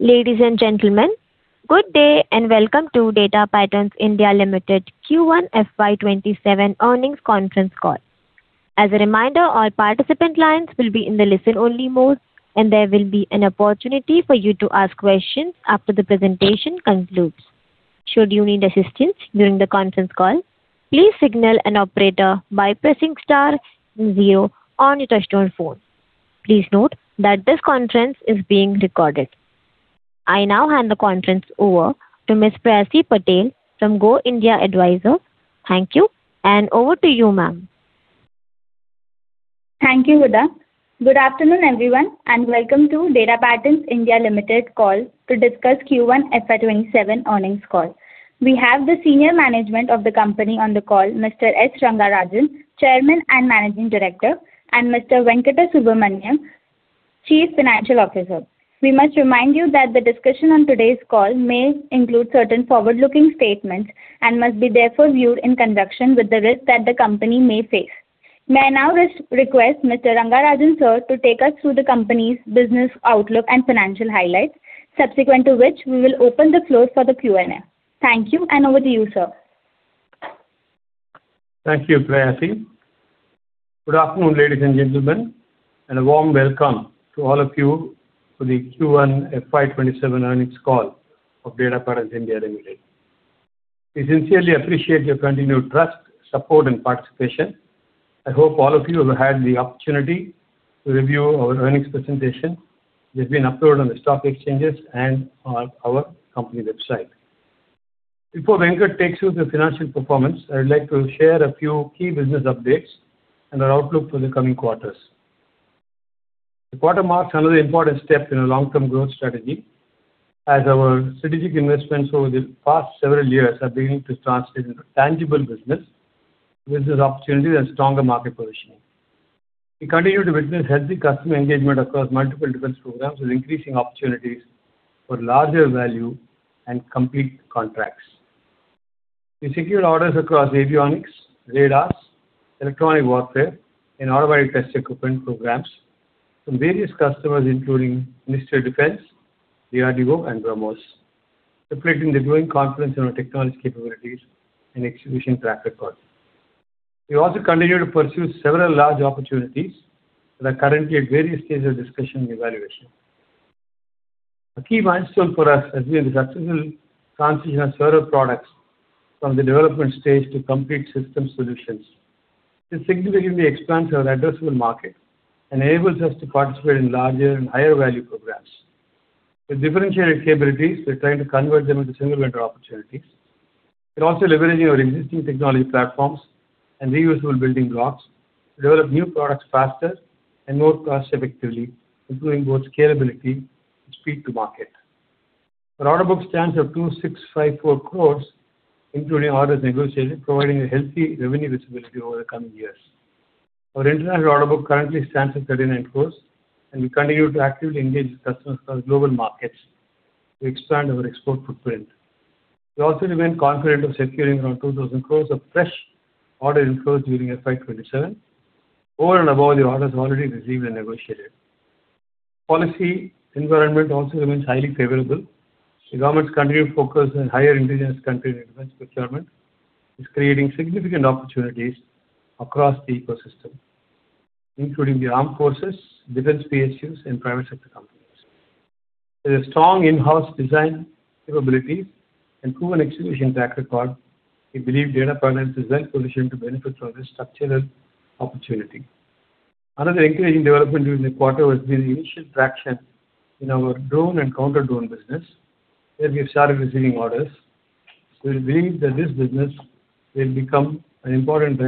Ladies and gentlemen, good day and welcome to Data Patterns India Limited Q1 FY 2027 earnings conference call. As a reminder, all participant lines will be in the listen-only mode, and there will be an opportunity for you to ask questions after the presentation concludes. Should you need assistance during the conference call, please signal an operator by pressing star zero on your touch-tone phone. Please note that this conference is being recorded. I now hand the conference over to Ms. Prayasi Patel from Go India Advisors. Thank you, and over to you, ma'am. Thank you, Huda. Good afternoon, everyone, and welcome to Data Patterns India Limited call to discuss Q1 FY 2027 earnings call. We have the senior management of the company on the call, Mr. Srinivasagopalan Rangarajan, Chairman and Managing Director, and Mr. Venkata Subramanian, Chief Financial Officer. We must remind you that the discussion on today's call may include certain forward-looking statements and must be therefore viewed in conjunction with the risks that the company may face. May I now request Mr. Rangarajan, sir, to take us through the company's business outlook and financial highlights, subsequent to which we will open the floor for the Q&A. Thank you, and over to you, sir. Thank you, Prayasi. Good afternoon, ladies and gentlemen, and a warm welcome to all of you to the Q1 FY 2027 earnings call of Data Patterns India Limited. We sincerely appreciate your continued trust, support and participation. I hope all of you have had the opportunity to review our earnings presentation, which has been uploaded on the stock exchanges and on our company website. Before Venkat takes you through the financial performance, I'd like to share a few key business updates and our outlook for the coming quarters. The quarter marks another important step in our long-term growth strategy, as our strategic investments over the past several years are beginning to translate into tangible business opportunities and stronger market positioning. We continue to witness healthy customer engagement across multiple defense programs with increasing opportunities for larger value and complete contracts. We secure orders across avionics, radars, electronic warfare and automatic test equipment programs from various customers, including Ministry of Defence, DRDO and BrahMos, reflecting the growing confidence in our technology capabilities and execution track record. We also continue to pursue several large opportunities that are currently at various stages of discussion and evaluation. A key milestone for us has been the successful transition of several products from the development stage to complete system solutions. This significantly expands our addressable market, enables us to participate in larger and higher value programs. With differentiated capabilities, we're trying to convert them into singular opportunities. We're also leveraging our existing technology platforms and reusable building blocks to develop new products faster and more cost effectively, improving both scalability and speed to market. Our order book stands at 2,654 crores, including orders negotiated, providing a healthy revenue visibility over the coming years. Our international order book currently stands at 39 crore. We continue to actively engage with customers across global markets to expand our export footprint. We also remain confident of securing around 2,000 crore of fresh order inflows during FY 2027, over and above the orders already received and negotiated. Policy environment also remains highly favorable. The government's continued focus on higher indigenous country defense procurement is creating significant opportunities across the ecosystem, including the armed forces, defense PSUs and private sector companies. With a strong in-house design capability and proven execution track record, we believe Data Patterns is well-positioned to benefit from this structural opportunity. Another encouraging development during the quarter has been the initial traction in our drone and counter-drone business, where we've started receiving orders. We believe that this business will become an important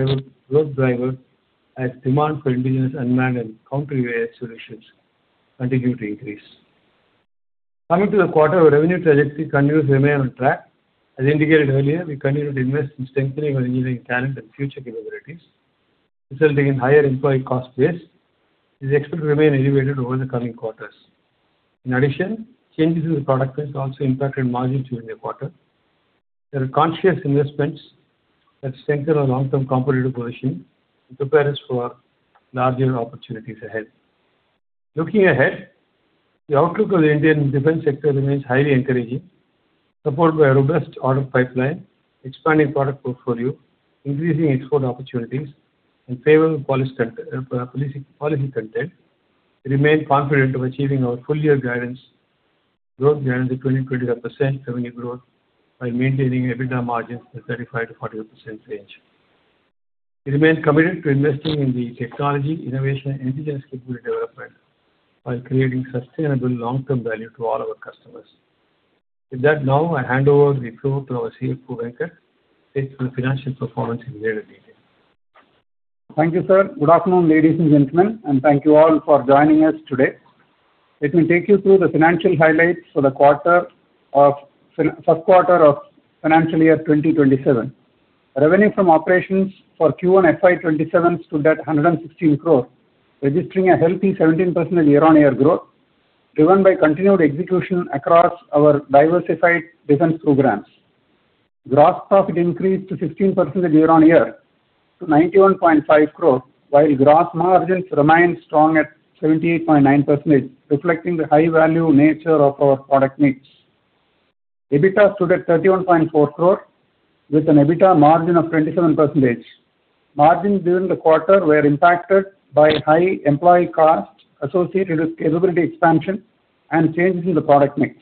growth driver as demand for indigenous unmanned and counter UAV solutions continue to increase. Coming to the quarter, our revenue trajectory continues to remain on track. As indicated earlier, we continue to invest in strengthening our engineering talent and future capabilities, resulting in higher employee cost base, is expected to remain elevated over the coming quarters. In addition, changes in the product mix also impacted margins during the quarter. There are conscious investments that strengthen our long-term competitive position and prepare us for larger opportunities ahead. Looking ahead, the outlook of the Indian defense sector remains highly encouraging. Supported by a robust order pipeline, expanding product portfolio, increasing export opportunities and favorable policy content, we remain confident of achieving our full-year growth guidance of 20%-27% revenue growth by maintaining EBITDA margins in 35%-40% range. We remain committed to investing in the technology, innovation and indigenous capability development while creating sustainable long-term value to all our customers. With that, now I hand over the floor to our CFO, Venkat, to take through the financial performance in greater detail. Thank you, sir. Good afternoon, ladies and gentlemen, and thank you all for joining us today. Let me take you through the financial highlights for the first quarter of financial year 2027. Revenue from operations for Q1 FY 2027 stood at 116 crore, registering a healthy 17% year-on-year growth, driven by continued execution across our diversified defense programs. Gross profit increased to 16% year-on-year to 91.5 crore, while gross margins remained strong at 78.9%, reflecting the high-value nature of our product mix. EBITDA stood at 31.4 crore with an EBITDA margin of 27%. Margins during the quarter were impacted by high employee costs associated with scalability expansion and changes in the product mix.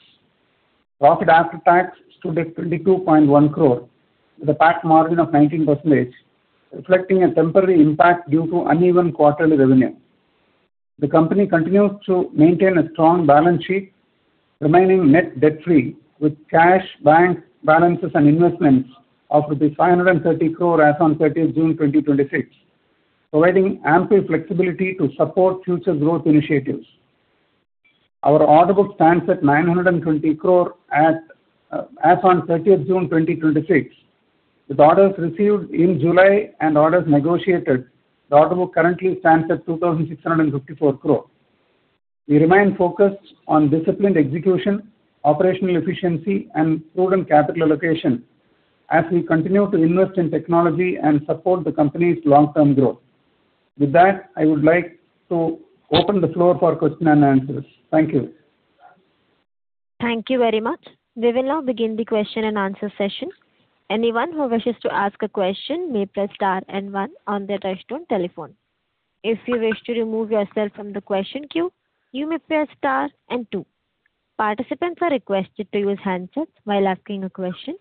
Profit After Tax stood at 22.1 crore with a PAT margin of 19%, reflecting a temporary impact due to uneven quarterly revenue. The company continues to maintain a strong balance sheet, remaining net debt-free with cash, bank balances, and investments of rupees 530 crore as on 30th June 2023, providing ample flexibility to support future growth initiatives. Our order book stands at 920 crore as on 30th June 2023. With orders received in July and orders negotiated, the order book currently stands at 2,654 crore. We remain focused on disciplined execution, operational efficiency, and prudent capital allocation as we continue to invest in technology and support the company's long-term growth. With that, I would like to open the floor for question and answers. Thank you. Thank you very much. We will now begin the question and answer session. Anyone who wishes to ask a question may press star and one on their touch-tone telephone. If you wish to remove yourself from the question queue, you may press star and two. Participants are requested to use handsets while asking a question.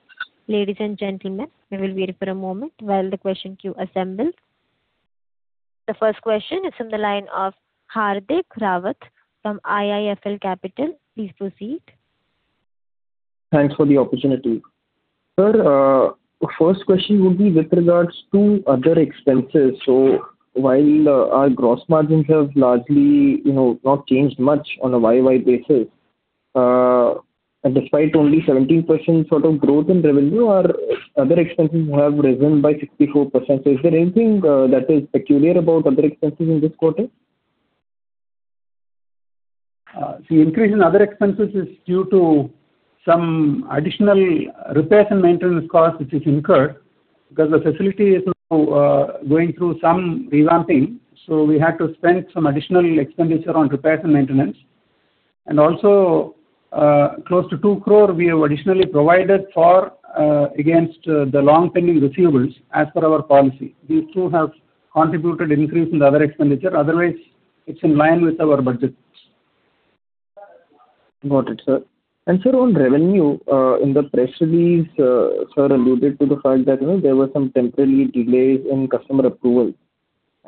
Ladies and gentlemen, we will wait for a moment while the question queue assembles. The first question is from the line of Hardik Rawat from IIFL Capital. Please proceed. Thanks for the opportunity. Sir, first question would be with regards to other expenses. While our gross margins have largely not changed much on a YoY basis, and despite only 17% sort of growth in revenue, our other expenses have risen by 64%. Is there anything that is peculiar about other expenses in this quarter? Increase in other expenses is due to some additional repairs and maintenance cost, which is incurred because the facility is now going through some revamping. We had to spend some additional expenditure on repairs and maintenance. Also, close to 2 crore we have additionally provided against the long-pending receivables as per our policy. These two have contributed increase in the other expenditure. Otherwise, it's in line with our budget. Got it, sir. Sir, on revenue, in the press release, sir, alluded to the fact that there were some temporary delays in customer approval,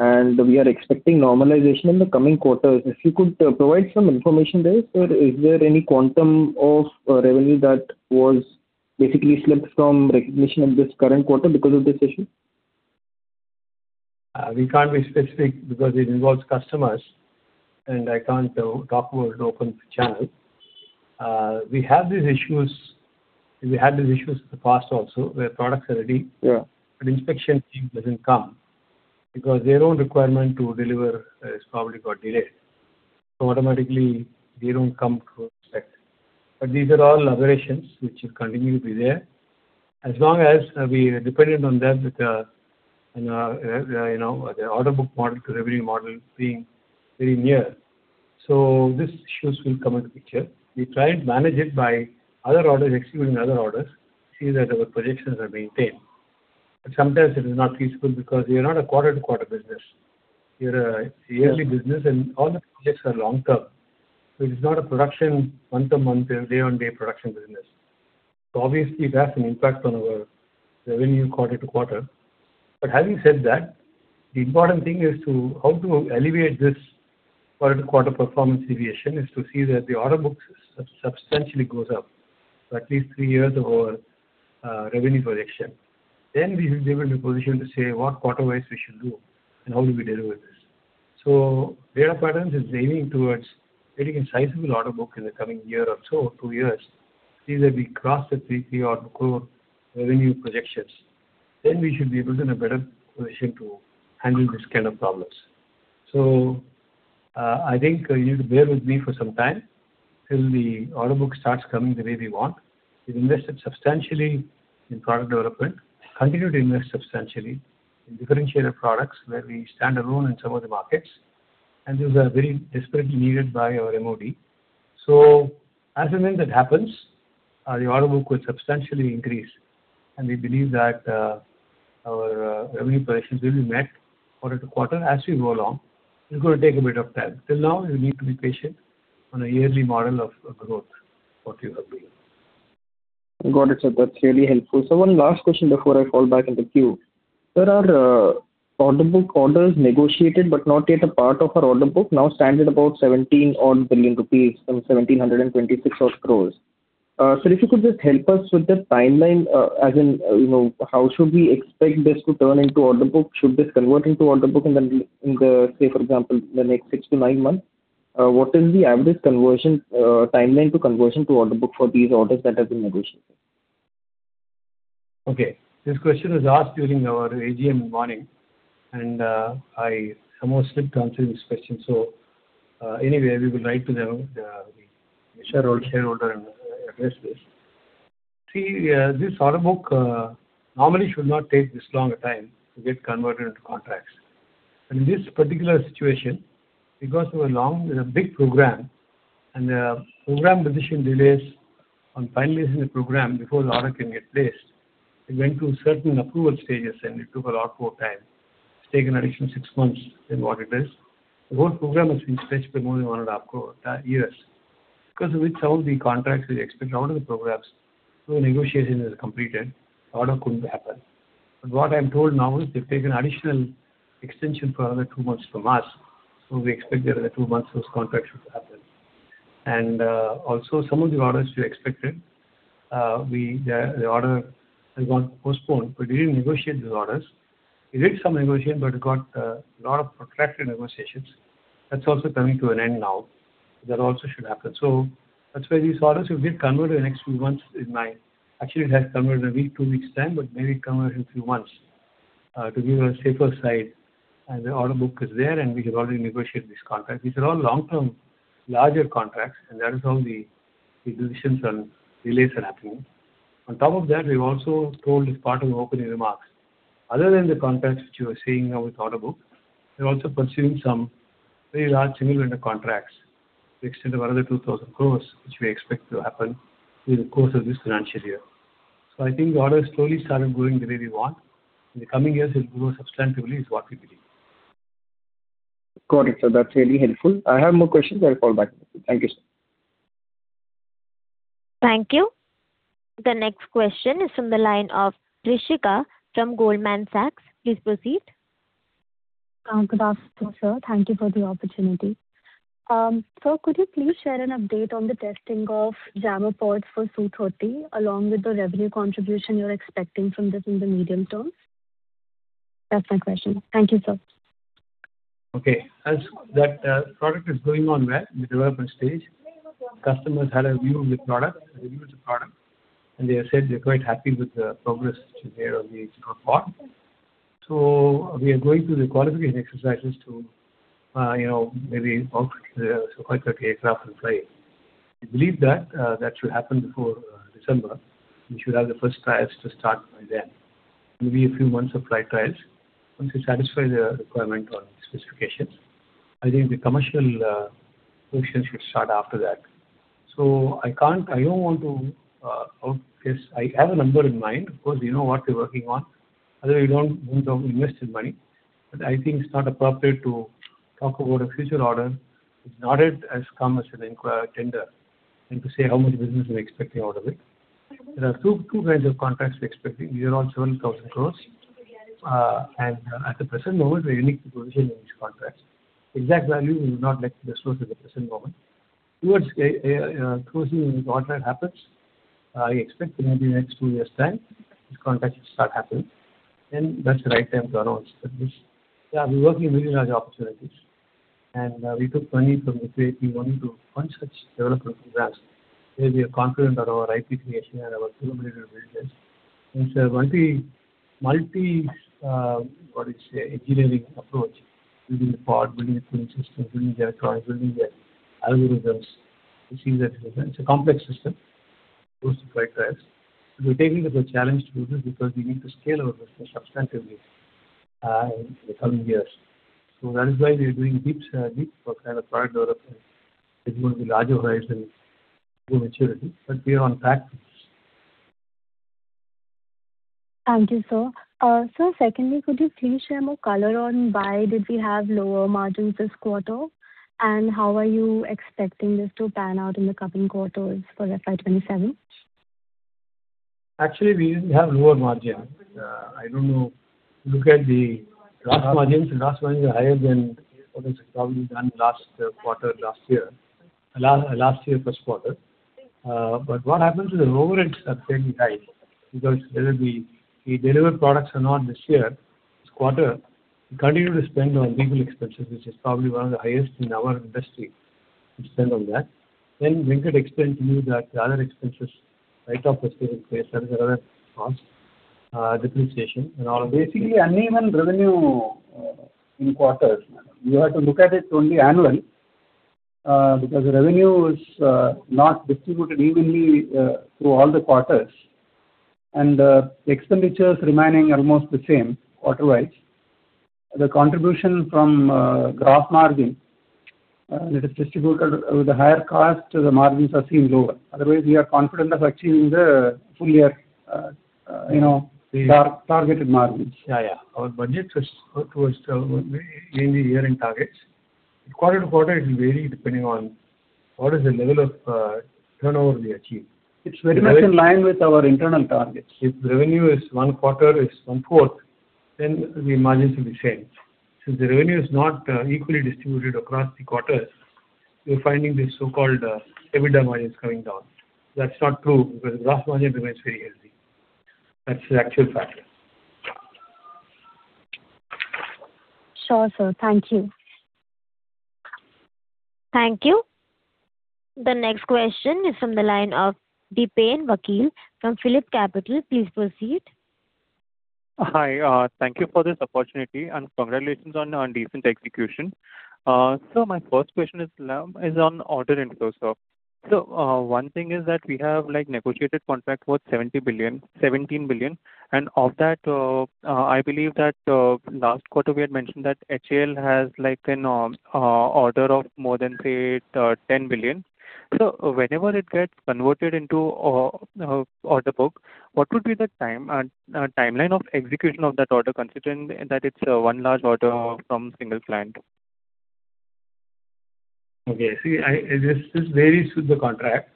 and we are expecting normalization in the coming quarters. If you could provide some information there, sir, is there any quantum of revenue that was basically slipped from recognition in this current quarter because of this issue? We can't be specific because it involves customers, and I can't talk about it open to channel. We had these issues in the past also, where products are ready. Yeah Inspection team doesn't come because their own requirement to deliver is probably got delayed. Automatically, they don't come to inspect. These are all aberrations which will continue to be there. As long as we are dependent on them with the order book model to revenue model being very near. These issues will come into picture. We try and manage it by other orders executing other orders, see that our projections are maintained. Sometimes it is not feasible because we are not a quarter-to-quarter business. We are a yearly business, and all the projects are long-term. It's not a production month-to-month, day-on-day production business. Obviously, it has an impact on our revenue quarter-to-quarter. Having said that, the important thing as to how to alleviate this quarter-to-quarter performance deviation is to see that the order book substantially goes up. At least three years of our revenue projection. We will be able to position to say what quarter-wise we should do and how do we deliver this. Data Patterns is leaning towards getting a sizable order book in the coming year or so, two years. See that we cross the three-year order book revenue projections. We should be able, in a better position to handle this kind of problems. I think you bear with me for some time till the order book starts coming the way we want. We've invested substantially in product development, continue to invest substantially in differentiated products where we stand alone in some of the markets, and these are very desperately needed by our MoD. As and when that happens, our order book will substantially increase. We believe that our revenue projections will be met quarter to quarter as we go along. It's going to take a bit of time. Till now, we need to be patient on a yearly model of growth, what we have been. Got it, sir. That's really helpful. Sir, one last question before I fall back in the queue. Sir, our order book orders negotiated but not yet a part of our order book now stands at about 17 billion rupees from 1,726 crores. Sir, if you could just help us with the timeline, as in, how should we expect this to turn into order book? Should this convert into order book in the, say, for example, the next six to nine months? What is the average timeline to conversion to order book for these orders that have been negotiated? Okay. This question was asked during our AGM in the morning, and I somehow slipped answering this question. Anyway, we will write to them the, which our shareholder addressed this. See, this order book normally should not take this long a time to get converted into contracts. In this particular situation, because we were long in a big program, and the program position delays on finalizing the program before the order can get placed, it went through certain approval stages, and it took a lot more time. It's taken additional 6 months than what it is. The whole program has been stretched by more than one and a half years. Without the contracts, we expect a lot of the programs, negotiation is completed, order couldn't happen. What I'm told now is they've taken additional extension for another 2 months from us. We expect in another two months those contracts should happen. Also some of the orders we expected, the order has got postponed. We didn't negotiate those orders. We did some negotiation, but got a lot of protracted negotiations. That's also coming to an end now. That also should happen. That's why these orders will get converted in next few months. Actually, it has converted in a week, two weeks time, but may be converted in few months, to give a safer side. The order book is there, and we have already negotiated this contract. These are all long-term, larger contracts, and that is how the decisions on delays are happening. On top of that, we've also told as part of opening remarks, other than the contracts which you were seeing now with order book, we're also pursuing some very large similar contracts to the extent of another 2,000 crores, which we expect to happen through the course of this financial year. I think orders slowly started going the way we want. In the coming years, it'll grow substantively, is what we believe. Got it, sir. That's really helpful. I have more questions. I'll call back. Thank you, sir. Thank you. The next question is from the line of Trishika from Goldman Sachs. Please proceed. Good afternoon, sir. Thank you for the opportunity. Sir, could you please share an update on the testing of jammer pods for Su-30MKI, along with the revenue contribution you're expecting from this in the medium term? That's my question. Thank you, sir. Okay. That product is going on well in the development stage. Customers had a view of the product, a review of the product. They have said they're quite happy with the progress which is there on the pod. We are going through the qualification exercises to maybe equip the Su-30MKI aircraft and plane. We believe that should happen before December. We should have the first trials to start by then. Maybe a few months of flight trials. Once we satisfy the requirement or specifications, I think the commercial functions should start after that. I don't want to outcase. I have a number in mind, of course, you know what we're working on. Otherwise, you don't invest in money. I think it's not appropriate to talk about a future order. It's not yet come as an inquiry tender to say how much business we're expecting out of it. There are two kinds of contracts we're expecting. These are all 7,000 crores. At the present moment, we are unique to negotiate in these contracts. Exact value we would not like to disclose at the present moment. Towards closing the contract happens, I expect maybe next two years' time, this contract should start happening. That's the right time to announce that this. Yeah, we're working with really large opportunities. We took money from the QIP only to fund such development programs. We are confident that our IP creation and our preliminary results. It's a multi-engineering approach, building a pod, building a cooling system, building the electronics, building the algorithms to see that it's a complex system, goes to flight trials. We're taking it as a challenge to do this because we need to scale our business substantively in the coming years. That is why we are doing deep work kind of product development, which is going to be larger horizon to maturity. We are on track. Thank you, sir. Sir, secondly, could you please share more color on why did we have lower margins this quarter? How are you expecting this to pan out in the coming quarters for FY 2027? Actually, we didn't have lower margins. I don't know. Look at the gross margins. The gross margins are higher than probably than last quarter last year. Last year first quarter. What happens is the overheads are fairly high because whether we deliver products or not this year, this quarter, we continue to spend on legal expenses, which is probably one of the highest in our industry, we spend on that. We could explain to you that the other expenses, write-off of certain costs, depreciation and all. Basically, uneven revenue in quarters. You have to look at it only annually, because the revenue is not distributed evenly through all the quarters and the expenditures remaining almost the same quarter-wise. The contribution from gross margin that is distributed with the higher cost, the margins are seen lower. Otherwise, we are confident of achieving the full year targeted margins. Yeah. Our budgets was towards the yearly year-end targets. Quarter to quarter, it will vary depending on what is the level of turnover we achieve. It's very much in line with our internal targets. If revenue is one quarter is one fourth, then the margins will be same. Since the revenue is not equally distributed across the quarters, we're finding this so-called EBITDA margins coming down. That's not true because the gross margin remains very healthy. That's the actual factor. Sure, sir. Thank you. Thank you. The next question is from the line of Dipen Vakil from PhillipCapital. Please proceed. Hi. Thank you for this opportunity. Congratulations on recent execution. Sir, my first question is on order inflow, sir. Sir, one thing is that we have negotiated contract worth 17 billion, and of that, I believe that last quarter we had mentioned that HAL has an order of more than, say, 10 billion. Whenever it gets converted into order book, what would be the timeline of execution of that order, considering that it's one large order from a single client? Okay. See, this varies with the contract,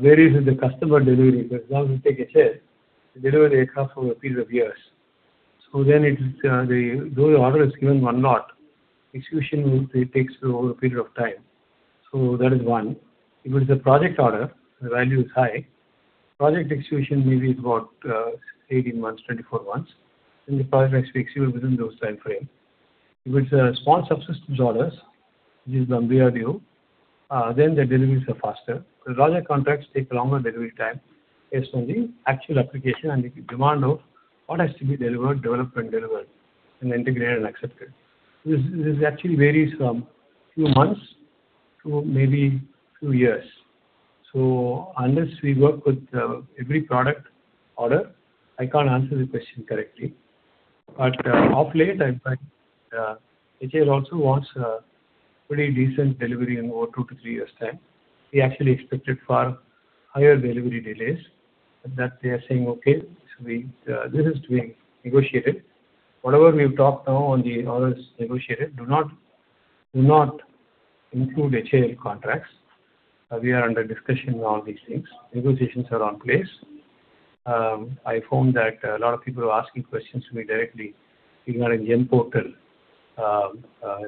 varies with the customer delivery, because now if you take HAL, they deliver aircraft over a period of years. Though the order is given one lot, execution takes over a period of time. That is one. If it is a project order, the value is high. Project execution may be about 18 months, 24 months. The project gets executed within those time frame. If it's small subsistence orders, which is on BDO, then the deliveries are faster. Larger contracts take a longer delivery time based on the actual application and the demand of what has to be developed and delivered, and integrated, and accepted. This actually varies from few months to maybe two years. Unless we work with every product order, I can't answer the question correctly. Of late, in fact, HAL also wants a pretty decent delivery in over two to three years' time. We actually expected far higher delivery delays, but that they are saying, "Okay." This is being negotiated. Whatever we have talked now on the orders negotiated do not include HAL contracts. We are under discussion on all these things. Negotiations are in place. I found that a lot of people were asking questions to me directly, seeing on a GeM portal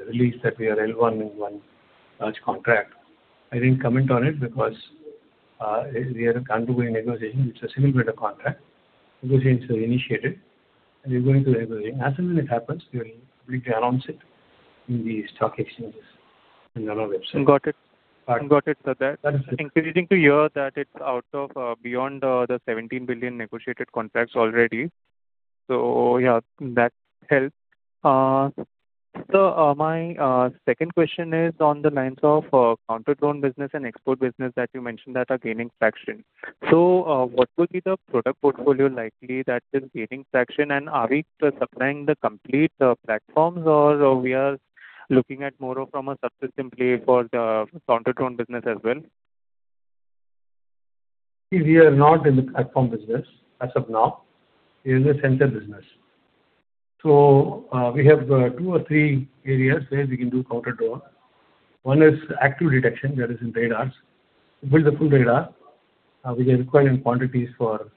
release that we are L1 in one large contract. I didn't comment on it because we are undergoing negotiation. It's a significant contract. Negotiations are initiated, and we're going to deliver. As and when it happens, we will publicly announce it in the stock exchanges and on our website. Got it. Pardon? Got it, sir. That's it. Encouraging to hear that it's out of beyond the 17 billion negotiated contracts already. Yeah, that helps. Sir, my second question is on the lines of counter-drone business and export business that you mentioned that are gaining traction. What will be the product portfolio likely that is gaining traction, and are we supplying the complete platforms or we are looking at more of from a subsystem play for the counter-drone business as well? We are not in the platform business as of now. We are in the sensor business. We have two or three areas where we can do counter-drone. One is active detection, that is in radars. We build the full radar. We get required in quantities for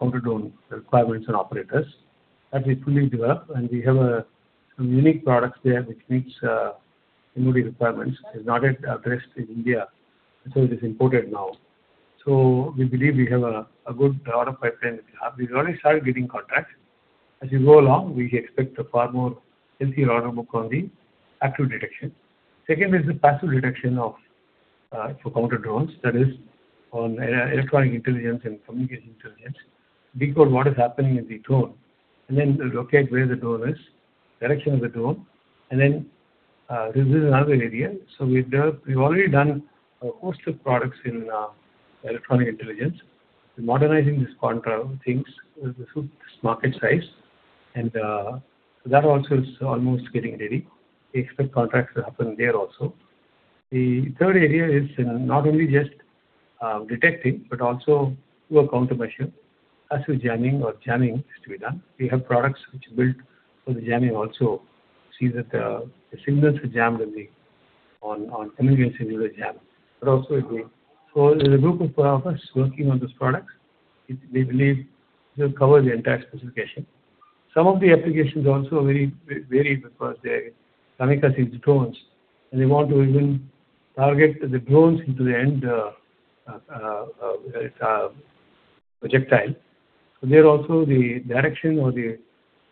counter-drone requirements and operators that we fully develop, and we have some unique products there which meets MoD requirements. It is not yet addressed in India. It is imported now. We believe we have a good order pipeline, which we have. We've already started getting contracts. As we go along, we expect a far more healthier order book on the active detection. Second is the passive detection for counter-drones. That is on electronic intelligence and communication intelligence. Decode what is happening in the drone, and then locate where the drone is, direction of the drone, and then this is another area. We've already done a host of products in electronic intelligence. We're modernizing these counter things to suit this market size. That also is almost getting ready. We expect contracts to happen there also. The third area is not only just detecting but also do a countermeasure as to jamming is to be done. We have products which are built for the jamming also. See that the signals are jammed on communication signals are jammed, but also it may. There's a group of us working on those products. We believe this will cover the entire specification. Some of the applications are also very varied because they're kamikaze drones, and they want to even target the drones into the end projectile. There also the direction or the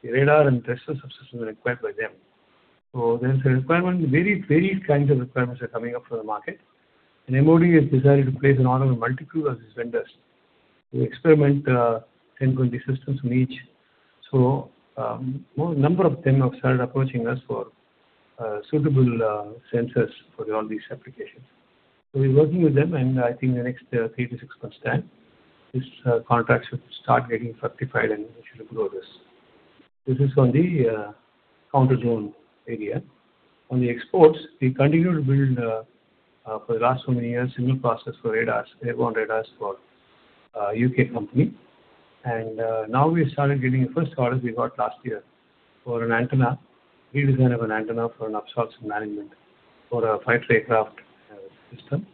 radar and tracer subsystem is required by them. There is a requirement. Varied kinds of requirements are coming up from the market, MoD has decided to place an order with multiple of these vendors to experiment 10, 20 systems in each. A number of them have started approaching us for suitable sensors for all these applications. We're working with them, and I think in the next three to six months' time, these contracts should start getting ratified, and we should grow this. This is on the counter-drone area. On the exports, we continued to build for the last so many years single process for radars, airborne radars for a U.K. company. Now we started getting a first order we got last year for an antenna, redesign of an antenna for an absorption management for a fighter aircraft system.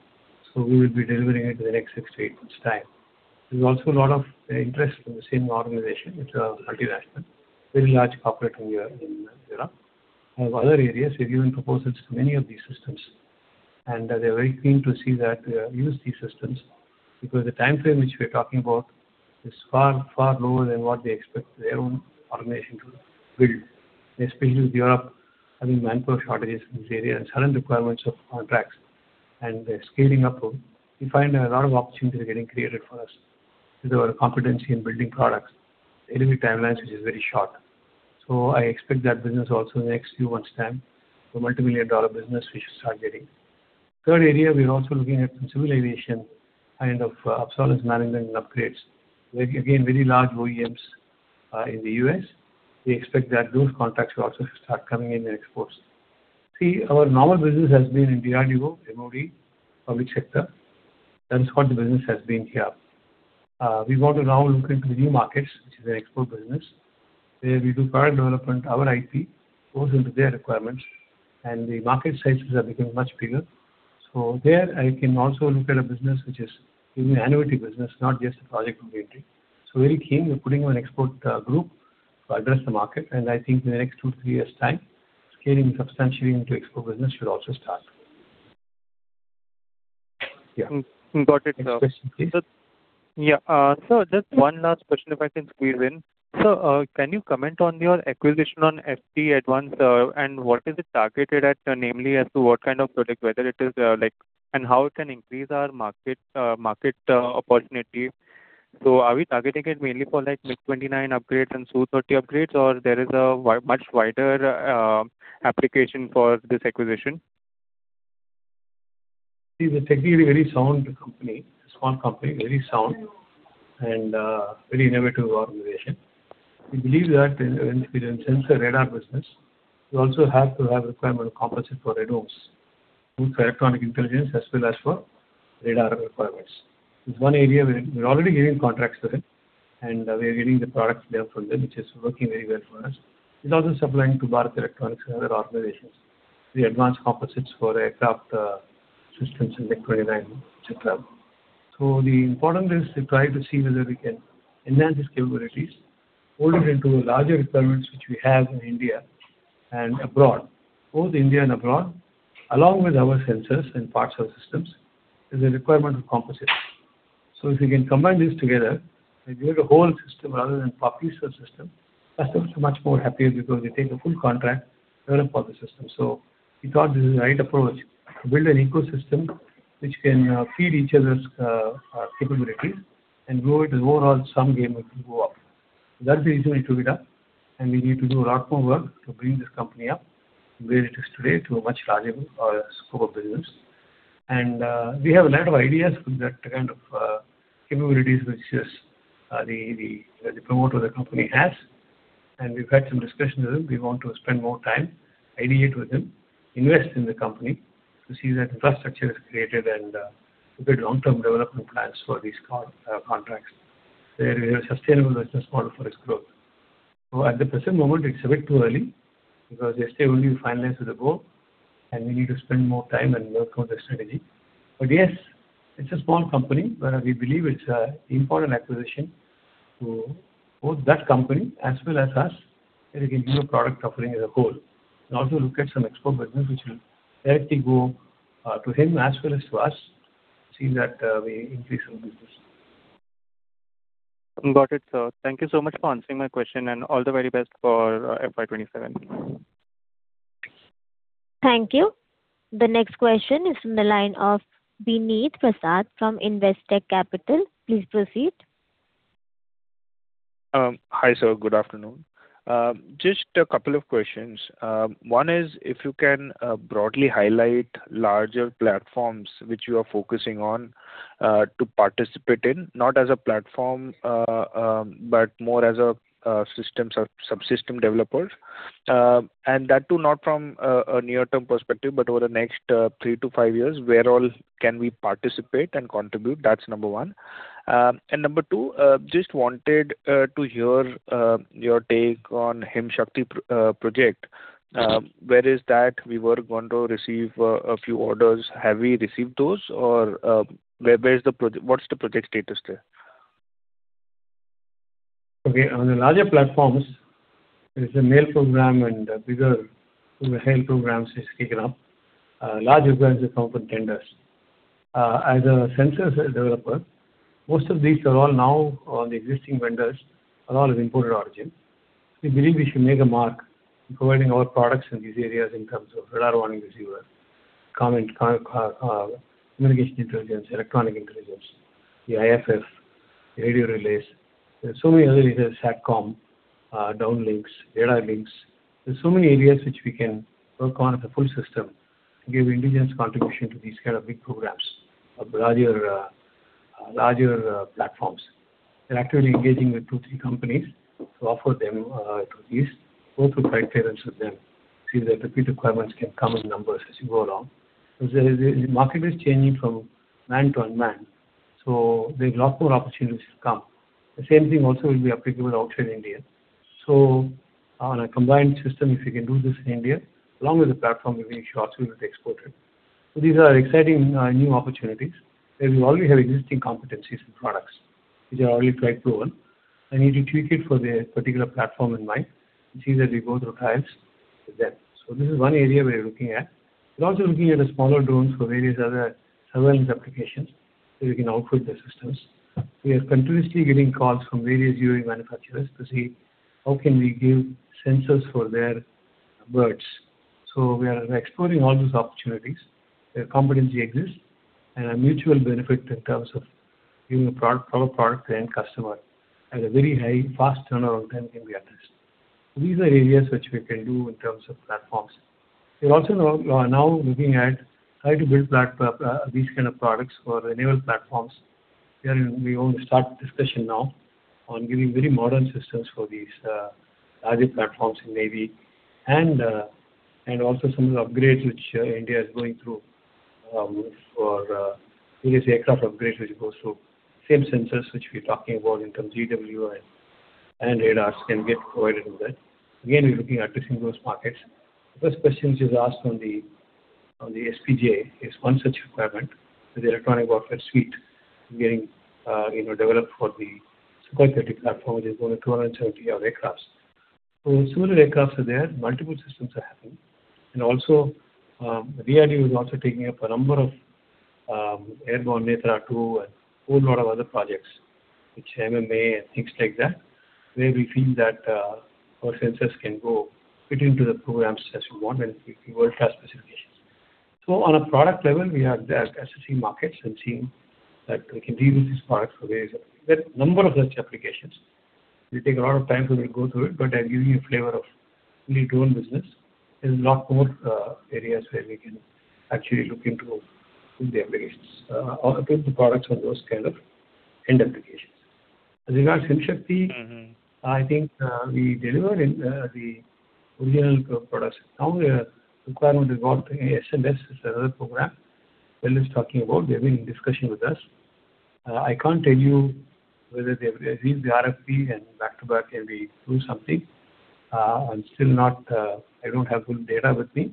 We will be delivering it in the next six to eight months' time. There's also a lot of interest from the same organization. It's a multinational, very large corporate in Europe. In other areas, we've given proposals to many of these systems, and they're very keen to see that we use these systems because the timeframe which we're talking about is far, far lower than what they expect their own organization to build. Especially with Europe having manpower shortages in this area and sudden requirements of contracts. Scaling up, we find a lot of opportunities are getting created for us with our competency in building products, delivery timelines, which is very short. I expect that business also in the next few months' time to a multimillion-dollar business we should start getting. Third area, we are also looking at civil aviation kind of obsolescence management and upgrades. Again, very large OEMs in the U.S. We expect that those contracts will also start coming in the exports. Our normal business has been in DRDO, MoD, public sector. That is what the business has been here. We want to now look into new markets, which is the export business. Where we do product development, our IP goes into their requirements, and the market sizes are becoming much bigger. There I can also look at a business which is giving annuity business, not just a project-only entry. Very keen. We're putting an export group to address the market. I think in the next two to three years' time, scaling substantially into export business should also start. Yeah. Got it, sir. Next question, please. Sir, just one last question, if I can squeeze in. Sir, can you comment on your acquisition on ST Advanced? What is it targeted at, namely as to what kind of product, whether it is like how it can increase our market opportunity. Are we targeting it mainly for MiG-29 upgrades and Su-30MKI upgrades, or there is a much wider application for this acquisition? It's technically a very sound company. A small company, very sound, a very innovative organization. We believe that in sensor radar business, you also have to have requirement of composite for radomes, both for electronic intelligence as well as for radar requirements. It's one area where we're already getting contracts with it, we are getting the products there from them, which is working very well for us. It's also supplying to Bharat Electronics and other organizations, the advanced composites for aircraft systems in MiG-29, etcetera. The important is to try to see whether we can enhance these capabilities, hold it into larger requirements which we have in India and abroad. Both India and abroad, along with our sensors and parts of systems, there's a requirement of composites. If we can combine these together and build a whole system rather than purchase a system, customers are much more happier because they take a full contract, develop all the systems. We thought this is the right approach, to build an ecosystem which can feed each other's capabilities, and grow it as overall sum game, it will go up. That's the reason we took it up, and we need to do a lot more work to bring this company up from where it is today to a much larger scope of business. We have a lot of ideas with that kind of capabilities, which the promoter of the company has, and we've had some discussions with him. We want to spend more time, ideate with him, invest in the company to see that infrastructure is created, and to build long-term development plans for these contracts. Where we have a sustainable business model for its growth. At the present moment, it's a bit too early because yesterday only we finalized the book, and we need to spend more time and work on the strategy. Yes, it's a small company, but we believe it's an important acquisition to both that company as well as us, where we can give a product offering as a whole, and also look at some export business which will directly go to him as well as to us, seeing that we increase our business. Got it, sir. Thank you so much for answering my question, and all the very best for FY 2027. Thank you. The next question is from the line of Vineet Prasad from Investec Capital. Please proceed. Hi, sir. Good afternoon. Just a couple of questions. One is, if you can broadly highlight larger platforms which you are focusing on to participate in, not as a platform, but more as a systems or subsystem developer. That too, not from a near-term perspective, but over the next three to five years, where all can we participate and contribute? That's number one. Number two, just wanted to hear your take on Project Himshakti project. Where is that? We were going to receive a few orders. Have we received those, or what's the project status there? Okay. On the larger platforms, there is a AEL program and bigger, some HEL programs, which have taken up. Large programs have come for tenders. As a sensors developer, most of these are all now on the existing vendors, are all of imported origin. We believe we should make a mark in providing our products in these areas in terms of radar warning receiver, comm intelligence, electronic intelligence, the IFF, radio relays. There are so many other areas, SATCOM, down links, data links. There are so many areas which we can work on as a full system to give indigenous contribution to these kind of big programs of larger platforms. We're actually engaging with two, three companies to offer them to these four to five tenants with them, see that the repeat requirements can come in numbers as you go along. The market is changing from man to unmanned, so there's a lot more opportunities to come. The same thing also will be applicable outside India. On a combined system, if we can do this in India, along with the platform, we think it should also be exported. These are exciting new opportunities, where we already have existing competencies and products which are already flight-proven, and you tweak it for their particular platform in mind, and see that we go through trials with them. This is one area we are looking at. We're also looking at the smaller drones for various other surveillance applications, where we can outfit their systems. We are continuously getting calls from various UAV manufacturers to see how can we give sensors for their birds. We are exploring all those opportunities where competency exists and a mutual benefit in terms of giving our product to the end customer at a very high, fast turnaround time can be addressed. These are areas which we can do in terms of platforms. We are also now looking at how to build these kind of products for naval platforms. We only start discussion now on giving very modern systems for these agile platforms in Navy and also some of the upgrades which India is going through for various aircraft upgrades, which goes through same sensors which we are talking about in terms of EW and radars can get provided with that. Again, we are looking at fixing those markets. The first question which is asked on the SPJ is one such requirement for the electronic warfare suite being developed for the Su-30MKI platform, which is going to have 230 aircrafts. As soon as the aircrafts are there, multiple systems are happening, and DRDO is also taking up a number of airborne Netra-2 and whole lot of other projects, which MMA and things like that, where we feel that our sensors can go fit into the programs as we want and it will have specifications. On a product level, we have the SSC markets and seen that we can deal with these products for various applications. There are number of such applications. It will take a lot of time to go through it, but I'm giving you a flavor of only drone business. There's a lot more areas where we can actually look into the applications or fit the products on those kind of end applications. With regards Him Shakti, I think we delivered the original products. Now the requirement is on SMS, it's another program. They're having a discussion with us. I can't tell you whether they receive the RFP and back to back, can we do something? I don't have full data with me.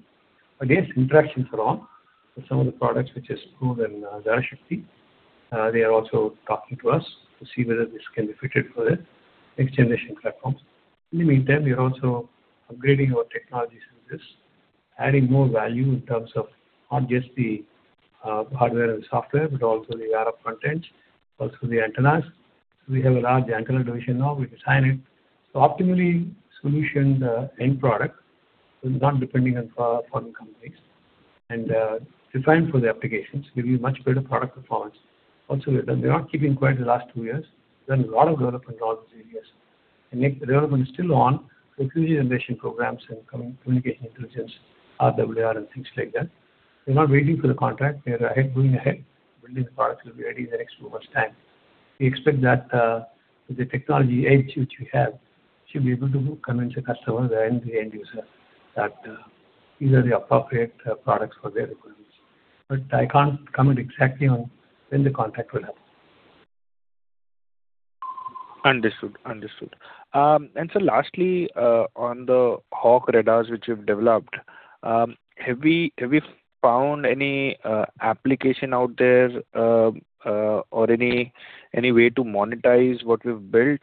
Yes, interactions are on for some of the products which is proved in Him Shakti. They are also talking to us to see whether this can be fitted for the next generation platforms. In the meantime, we are also upgrading our technology services, adding more value in terms of not just the hardware and software, but also the RF contents, also the antennas. We have a large antenna division now, we design it. Optimally solutioned end product is not depending on foreign companies, and designed for the applications giving much better product performance. Also, we have done, we are not keeping quiet the last 2 years. We've done a lot of development in all these areas, and development is still on for future generation programs and communication intelligence, RWR, and things like that. We're not waiting for the contract. We are ahead, moving ahead, building the product will be ready in the next 12 months time. We expect that with the technology edge which we have, should be able to convince the customers and the end user that these are the appropriate products for their requirements. I can't comment exactly on when the contract will happen. Understood. Sir, lastly, on the HAWK radars which you've developed, have we found any application out there or any way to monetize what we've built?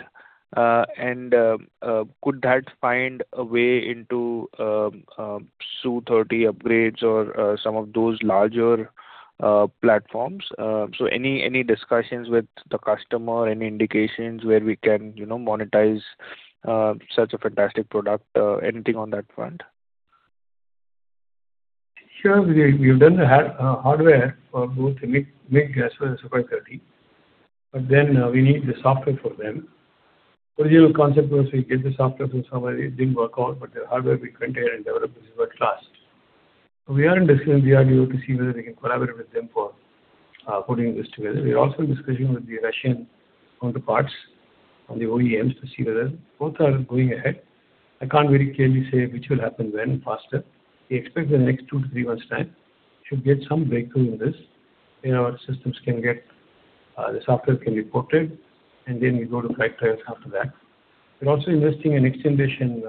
Could that find a way into Su-30MKI upgrades or some of those larger platforms? Any discussions with the customer, any indications where we can monetize such a fantastic product? Anything on that front? Sure. We've done the hardware for both the MiG as well as Su-30MKI, but we need the software for them. Original concept was we get the software from somebody. It didn't work out, the hardware we contain and develop is world-class. We are in discussion with DRDO to see whether we can collaborate with them for putting this together. We are also in discussion with the Russian counterparts on the OEMs to see whether both are going ahead. I can't very clearly say which will happen when faster. We expect the next two to three months time should get some breakthrough in this. The software can be ported, and we go to flight trials after that. We're also investing in next generation,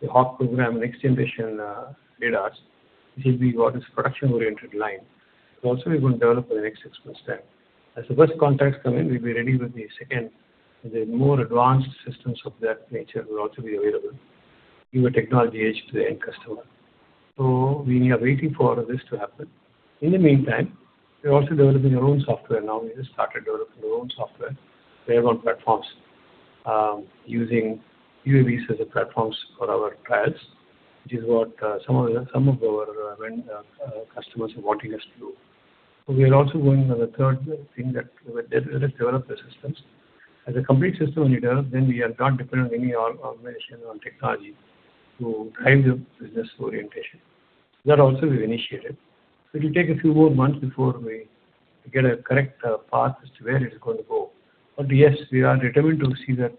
the HAWK program, next generation radars, which will be what is production-oriented line. We're going to develop for the next six months' time. As the first contracts come in, we'll be ready with the second, the more advanced systems of that nature will also be available to give a technology edge to the end customer. We are waiting for all of this to happen. In the meantime, we are also developing our own software now. We just started developing our own software, airborne platforms, using UAVs as the platforms for our trials, which is what some of our customers are wanting us to do. We are also going on the third thing that we develop the systems. As a complete system when we develop, then we are not dependent on any organization or technology to drive the business orientation. That also we've initiated. It will take a few more months before we get a correct path as to where it's going to go. Yes, we are determined to see that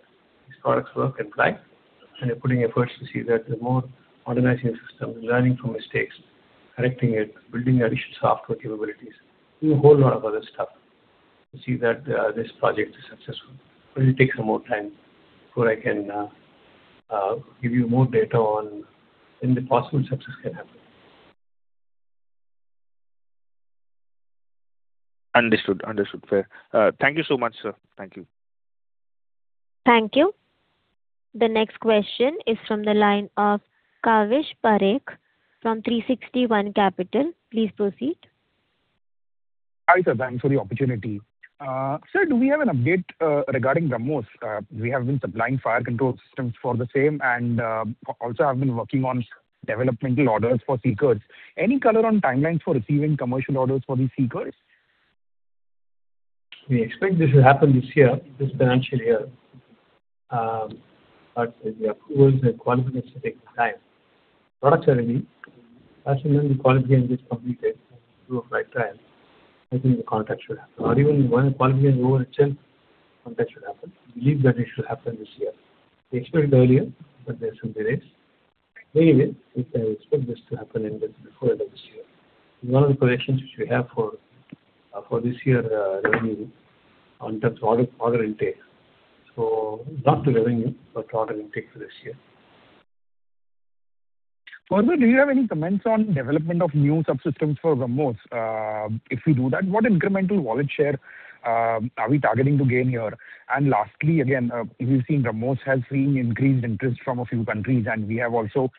these products work and fly, and are putting efforts to see that they're more organizing the system, learning from mistakes, correcting it, building additional software capabilities, doing a whole lot of other stuff to see that this project is successful. It takes some more time before I can give you more data on when the possible success can happen. Understood. Fair. Thank you so much, sir. Thank you Thank you. The next question is from the line of Kavish Parekh from 360 ONE. Please proceed. Hi, sir. Thanks for the opportunity. Sir, do we have an update regarding BrahMos? We have been supplying fire control systems for the same, and also have been working on developmental orders for seekers. Any color on timelines for receiving commercial orders for these seekers? We expect this will happen this financial year. The approvals and qualifications take time. Products are ready. As and when the qualification gets completed, through a flight trial, I think the contract should happen. Even when the qualification goes itself, contract should happen. We believe that it should happen this year. We expect earlier, but there's some delays. Anyway, we can expect this to happen before the end of this year. One of the corrections which we have for this year, revenue in terms of order intake. Not to revenue, but to order intake for this year. Further, do you have any comments on development of new subsystems for BrahMos? If we do that, what incremental wallet share are we targeting to gain here? Lastly, again, we've seen BrahMos has seen increased interest from a few countries, and we have also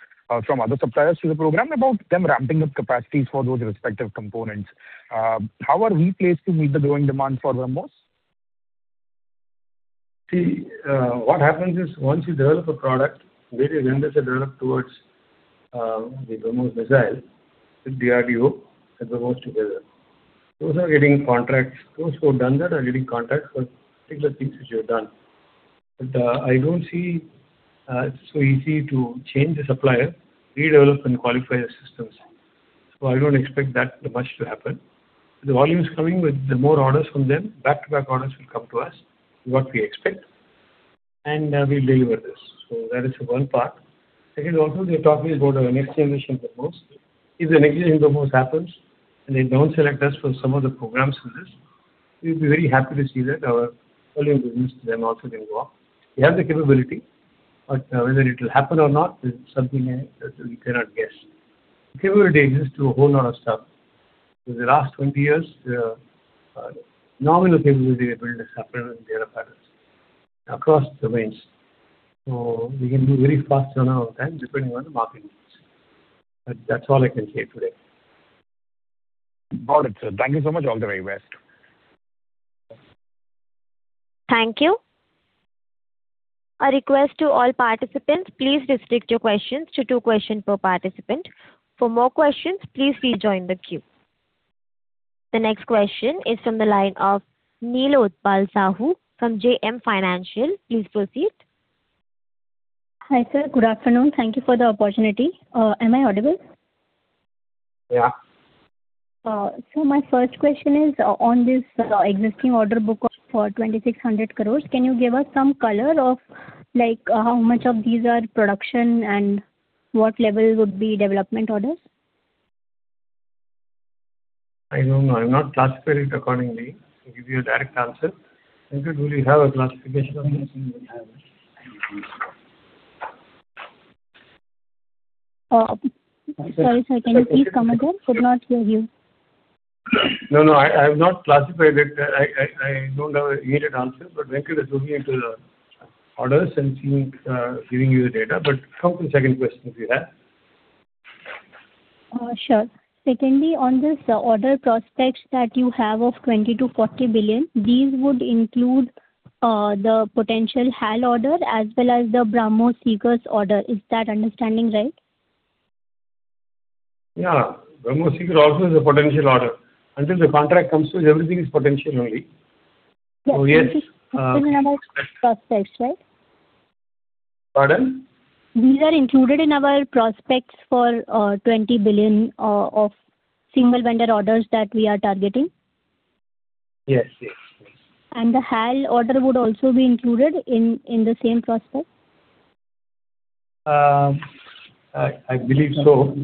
from other suppliers to the program about them ramping up capacities for those respective components. How are we placed to meet the growing demand for BrahMos? What happens is, once you develop a product, various vendors are developed towards the BrahMos missile, with DRDO and BrahMos together. Those who have done that are getting contracts for particular things which we have done. I don't see it so easy to change the supplier, redevelop and qualify their systems. I don't expect that much to happen. The volume is coming with the more orders from them, back-to-back orders will come to us, what we expect, and we'll deliver this. That is one part. Second, they're talking about our next generation BrahMos. If the next generation BrahMos happens, and they don't select us for some of the programs in this, we'll be very happy to see that our volume business with them also will go off. We have the capability, but whether it will happen or not is something that we cannot guess. Capability exists to a whole lot of stuff. In the last 20 years, nominal capability build has happened in Data Patterns across domains. We can be very fast turnaround time depending on the market needs. That's all I can say today. Got it, sir. Thank you so much. All the very best. Thank you. A request to all participants, please restrict your questions to two questions per participant. For more questions, please rejoin the queue. The next question is from the line of Neelotpal Sahu from JM Financial. Please proceed. Hi, sir. Good afternoon. Thank you for the opportunity. Am I audible? Yeah. Sir, my first question is on this existing order book of 2,600 crores. Can you give us some color of how much of these are production and what level would be development orders? I don't know. I've not classified it accordingly to give you a direct answer. Venky, do we have a classification of this? We have it. Sorry, sir. Can you please come again? Could not hear you. No, I have not classified it. I don't have an immediate answer, but Venky is looking into the orders and giving you the data. Come to the second question if you have. Sure. Secondly, on this order prospects that you have of 20 billion-40 billion, these would include the potential HAL order as well as the BrahMos seekers order. Is that understanding right? Yeah. BrahMos seeker also is a potential order. Until the contract comes through, everything is potential only. Yes. Yes. Included in our prospects, right? Pardon? These are included in our prospects for 20 billion of single vendor orders that we are targeting? Yes. The HAL order would also be included in the same prospect? I believe so.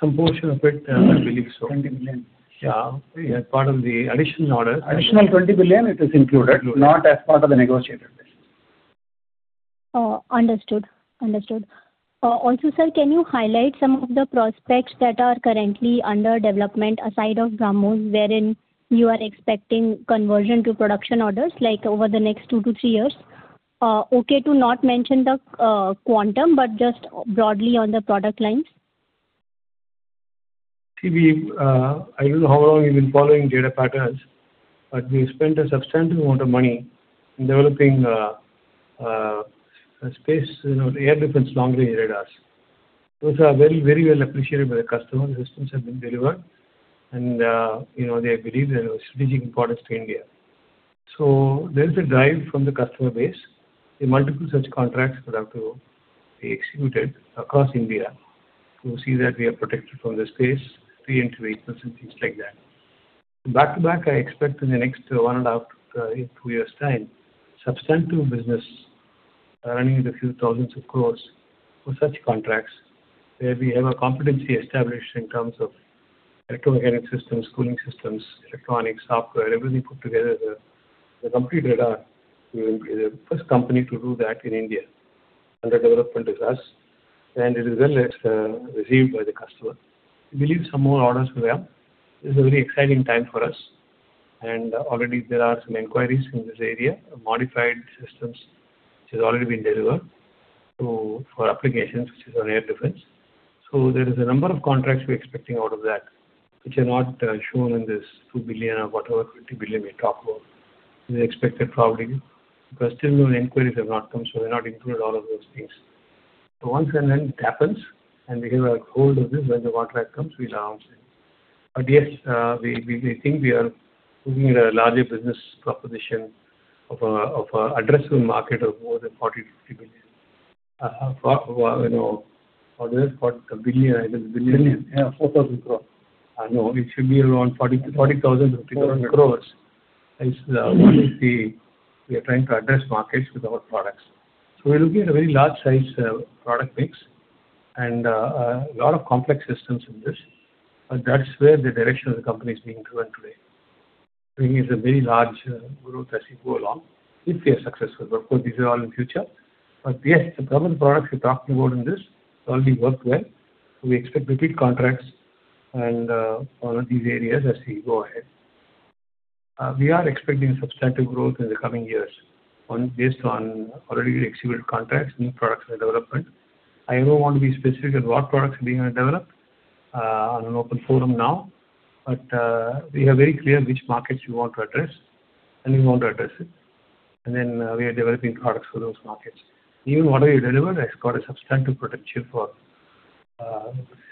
Some portion of it, I believe so. 20 billion. Yeah. As part of the additional order. Additional 20 billion, it is included. Not as part of the negotiated list. Understood. Also, sir, can you highlight some of the prospects that are currently under development aside of BrahMos, wherein you are expecting conversion to production orders over the next two to three years? Okay to not mention the quantum, but just broadly on the product lines. See, I don't know how long you've been following Data Patterns, but we spent a substantial amount of money in developing air defense long-range radars. Those are very well appreciated by the customer. The systems have been delivered. They believe they are of strategic importance to India. There is a drive from the customer base. There are multiple such contracts that have to be executed across India to see that we are protected from the space, sea into airspace and things like that. Back to back, I expect in the next one and a half to two years' time, substantial business running into INR few thousands of crores for such contracts, where we have our competency established in terms of electromagnetic systems, cooling systems, electronics, software, everything put together, the complete radar. We will be the first company to do that in India. Under development with us, it is then gets received by the customer. We believe some more orders will come. This is a very exciting time for us, already there are some inquiries in this area, modified systems which has already been delivered for applications, which is on air defense. There is a number of contracts we're expecting out of that, which are not shown in this 2 billion or whatever 50 billion we talk about. This is expected probably, because still no inquiries have not come, so we're not included all of those things. Once and when it happens, and we get a hold of this, when the contract comes, we'll announce it. Yes, we think we are looking at a larger business proposition of a addressable market of more than 40 billion to 50 billion. For this billion. 4,000 crores. I know. It should be around 40,000 crores to 50,000 crores. Is what we are trying to address markets with our products. We're looking at a very large size product mix and a lot of complex systems in this. That's where the direction of the company is being driven today. Bringing a very large growth as we go along if we are successful. Of course, these are all in future. Yes, the government products we're talking about in this already work well. We expect repeat contracts in all of these areas as we go ahead. We are expecting substantive growth in the coming years based on already executed contracts, new products under development. I don't want to be specific on what products we are going to develop on an open forum now, We are very clear which markets we want to address, and we want to address it. Then we are developing products for those markets. Even what we delivered has got a substantive potential for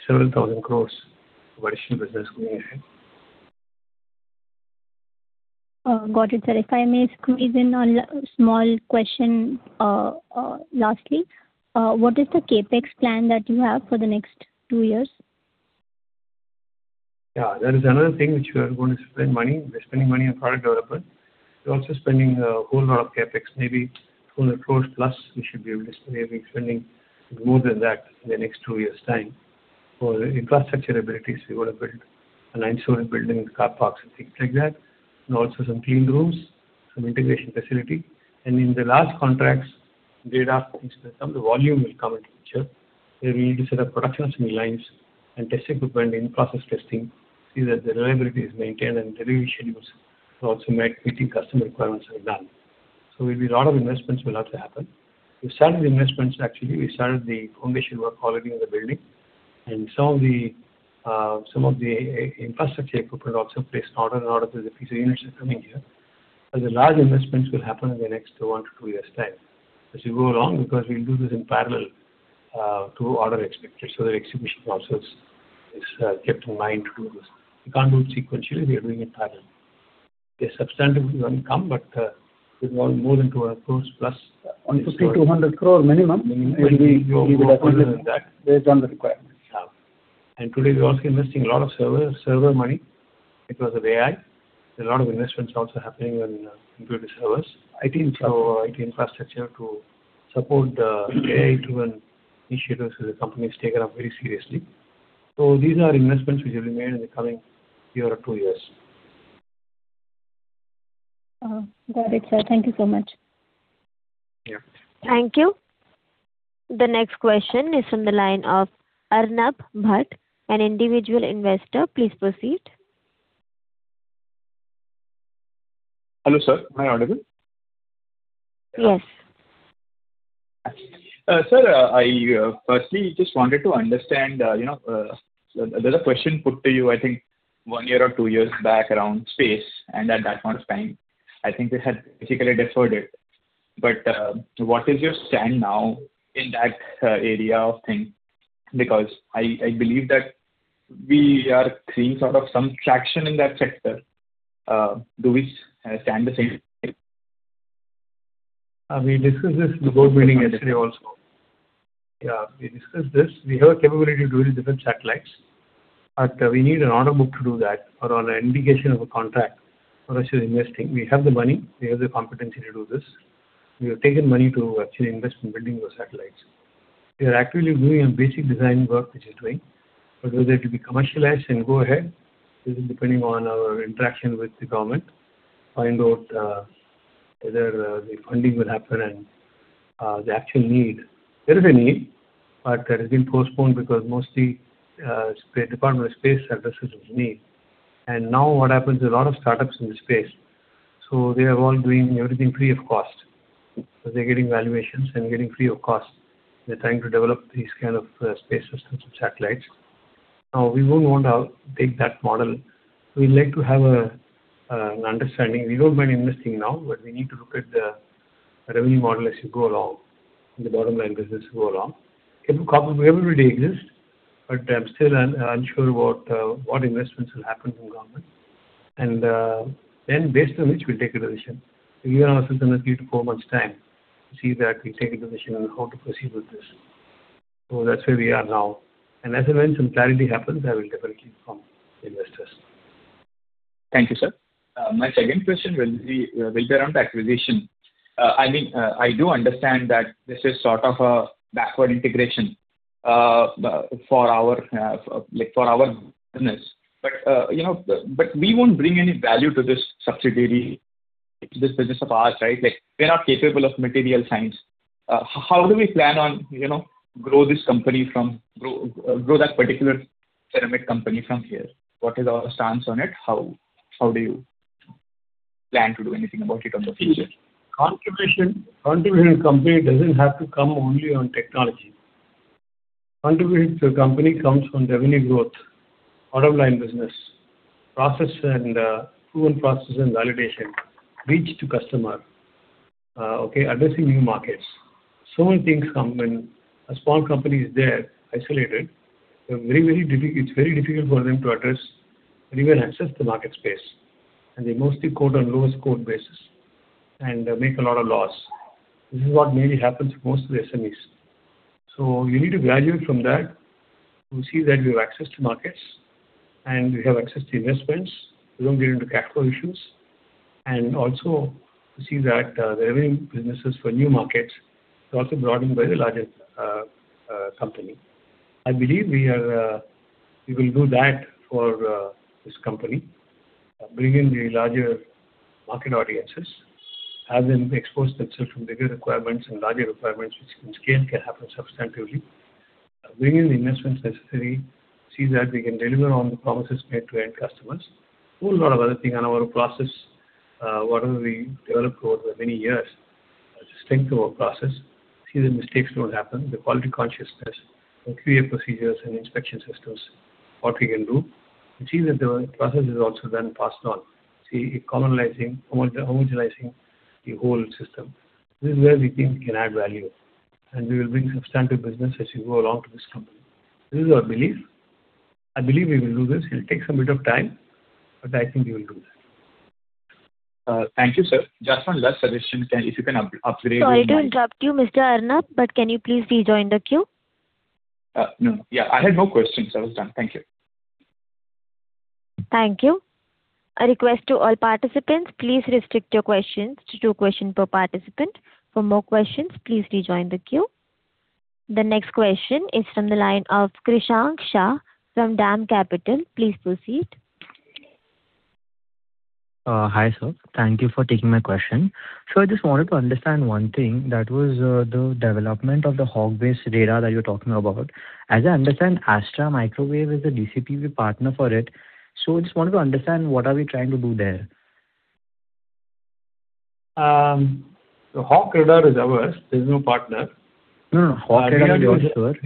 several thousand crores of additional business going ahead. Got it, sir. If I may squeeze in a small question lastly. What is the CapEx plan that you have for the next two years? Yeah, that is another thing which we are going to spend money. We're spending money on product development. We're also spending a whole lot of CapEx, maybe 100 crore plus we should be able to. Maybe we are spending more than that in the next two years' time for infrastructure abilities. We want to build a nine-story building with car parks and things like that, and also some clean rooms, some integration facility. In the large contracts, data instead of the volume will come into picture. We need to set up production assembly lines and test equipment in process testing, see that the reliability is maintained and delivery schedules are also met, meeting customer requirements are done. A lot of investments will have to happen. We've started the investments, actually. We started the foundation work already on the building. Some of the infrastructure equipment also placed order, and a lot of the pieces of units are coming here. The large investments will happen in the next one to two years' time as we go along, because we'll do this in parallel to order execution. The execution process is kept in mind to do this. We can't do it sequentially. We are doing it parallel. The substantive will come, but it will be more than INR 200+ crore. INR 150-INR 200 crore minimum. Maybe it will go more than that. Based on the requirements. Today, we're also investing a lot of server money because of AI. There's a lot of investments also happening in computer servers, IT infrastructure to support the AI-driven initiatives the company's taken up very seriously. These are investments which will be made in the coming year or two years. Got it, sir. Thank you so much. Yeah. Thank you. The next question is from the line of Arnab Bhatt, an individual investor. Please proceed. Hello, sir. Am I audible? Yes. Sir, I firstly just wanted to understand. There's a question put to you, I think one year or two years back around space and at that point of time, I think you had basically deferred it. What is your stand now in that area of thing? I believe that we are seeing sort of some traction in that sector. Do we stand the same? We discussed this in the board meeting yesterday also. Yeah, we discussed this. We have a capability to do different satellites, we need an order book to do that or an indication of a contract for us to invest in. We have the money. We have the competency to do this. We have taken money to actually invest in building those satellites. We are actively doing a basic design work which is doing. Whether it will be commercialized and go ahead, this is depending on our interaction with the government to find out whether the funding will happen and the actual need. There is a need, that has been postponed because mostly it's the Department of Space addresses this need. Now what happens, there are a lot of startups in the space. They are all doing everything free of cost. They're getting valuations and getting free of cost. They're trying to develop these kind of space systems and satellites. We won't want to take that model. We like to have an understanding. We don't mind investing now, we need to look at the revenue model as we go along, and the bottom line business go along. Capability already exists, I'm still unsure what investments will happen from government. Based on which, we'll take a decision. We are also going to need two, four months time to see that we take a decision on how to proceed with this. That's where we are now. As and when some clarity happens, I will definitely inform the investors. Thank you, sir. My second question will be around acquisition. I do understand that this is sort of a backward integration for our business. We won't bring any value to this subsidiary. It's this business of ours, right? We are not capable of material science. How do we plan on grow that particular ceramic company from here? What is our stance on it? How do you plan to do anything about it in the future? Contribution company doesn't have to come only on technology. Contribution company comes from revenue growth, bottom line business, process and proven process and validation, reach to customer, addressing new markets. Many things come when a small company is there isolated, it's very difficult for them to address and even access the market space. They mostly quote on lowest quote basis and make a lot of loss. This is what mainly happens to most of the SMEs. You need to graduate from that, to see that we have access to markets and we have access to investments. We don't get into capital issues, and also to see that the revenue businesses for new markets is also brought in by the larger company. I believe we will do that for this company, bring in the larger market audiences, have them expose themselves from bigger requirements and larger requirements, which in scale can happen substantively. Bring in the investments necessary, see that we can deliver on the promises made to end customers. Whole lot of other thing on our process, whatever we developed over the many years, strength of our process. See that mistakes don't happen, the quality consciousness, the QA procedures and inspection systems, what we can do. We see that the process is also then passed on. See it commonizing, homogenizing the whole system. This is where we think we can add value, and we will bring substantive business as we go along to this company. This is our belief. I believe we will do this. It'll take some bit of time, but I think we will do that. Thank you, sir. Just one last suggestion. If you can Sorry to interrupt you, Mr. Arnab, but can you please rejoin the queue? No. I had no questions. I was done. Thank you. Thank you. A request to all participants, please restrict your questions to two questions per participant. For more questions, please rejoin the queue. The next question is from the line of Krishang Shah from DAM Capital. Please proceed. Hi, sir. Thank you for taking my question. I just wanted to understand one thing, that was the development of the HAWK-based radar that you're talking about. As I understand, Astra Microwave is a DCPP partner for it. I just wanted to understand what are we trying to do there. The HAWK radar is ours. There's no partner. HAWK radar is yours.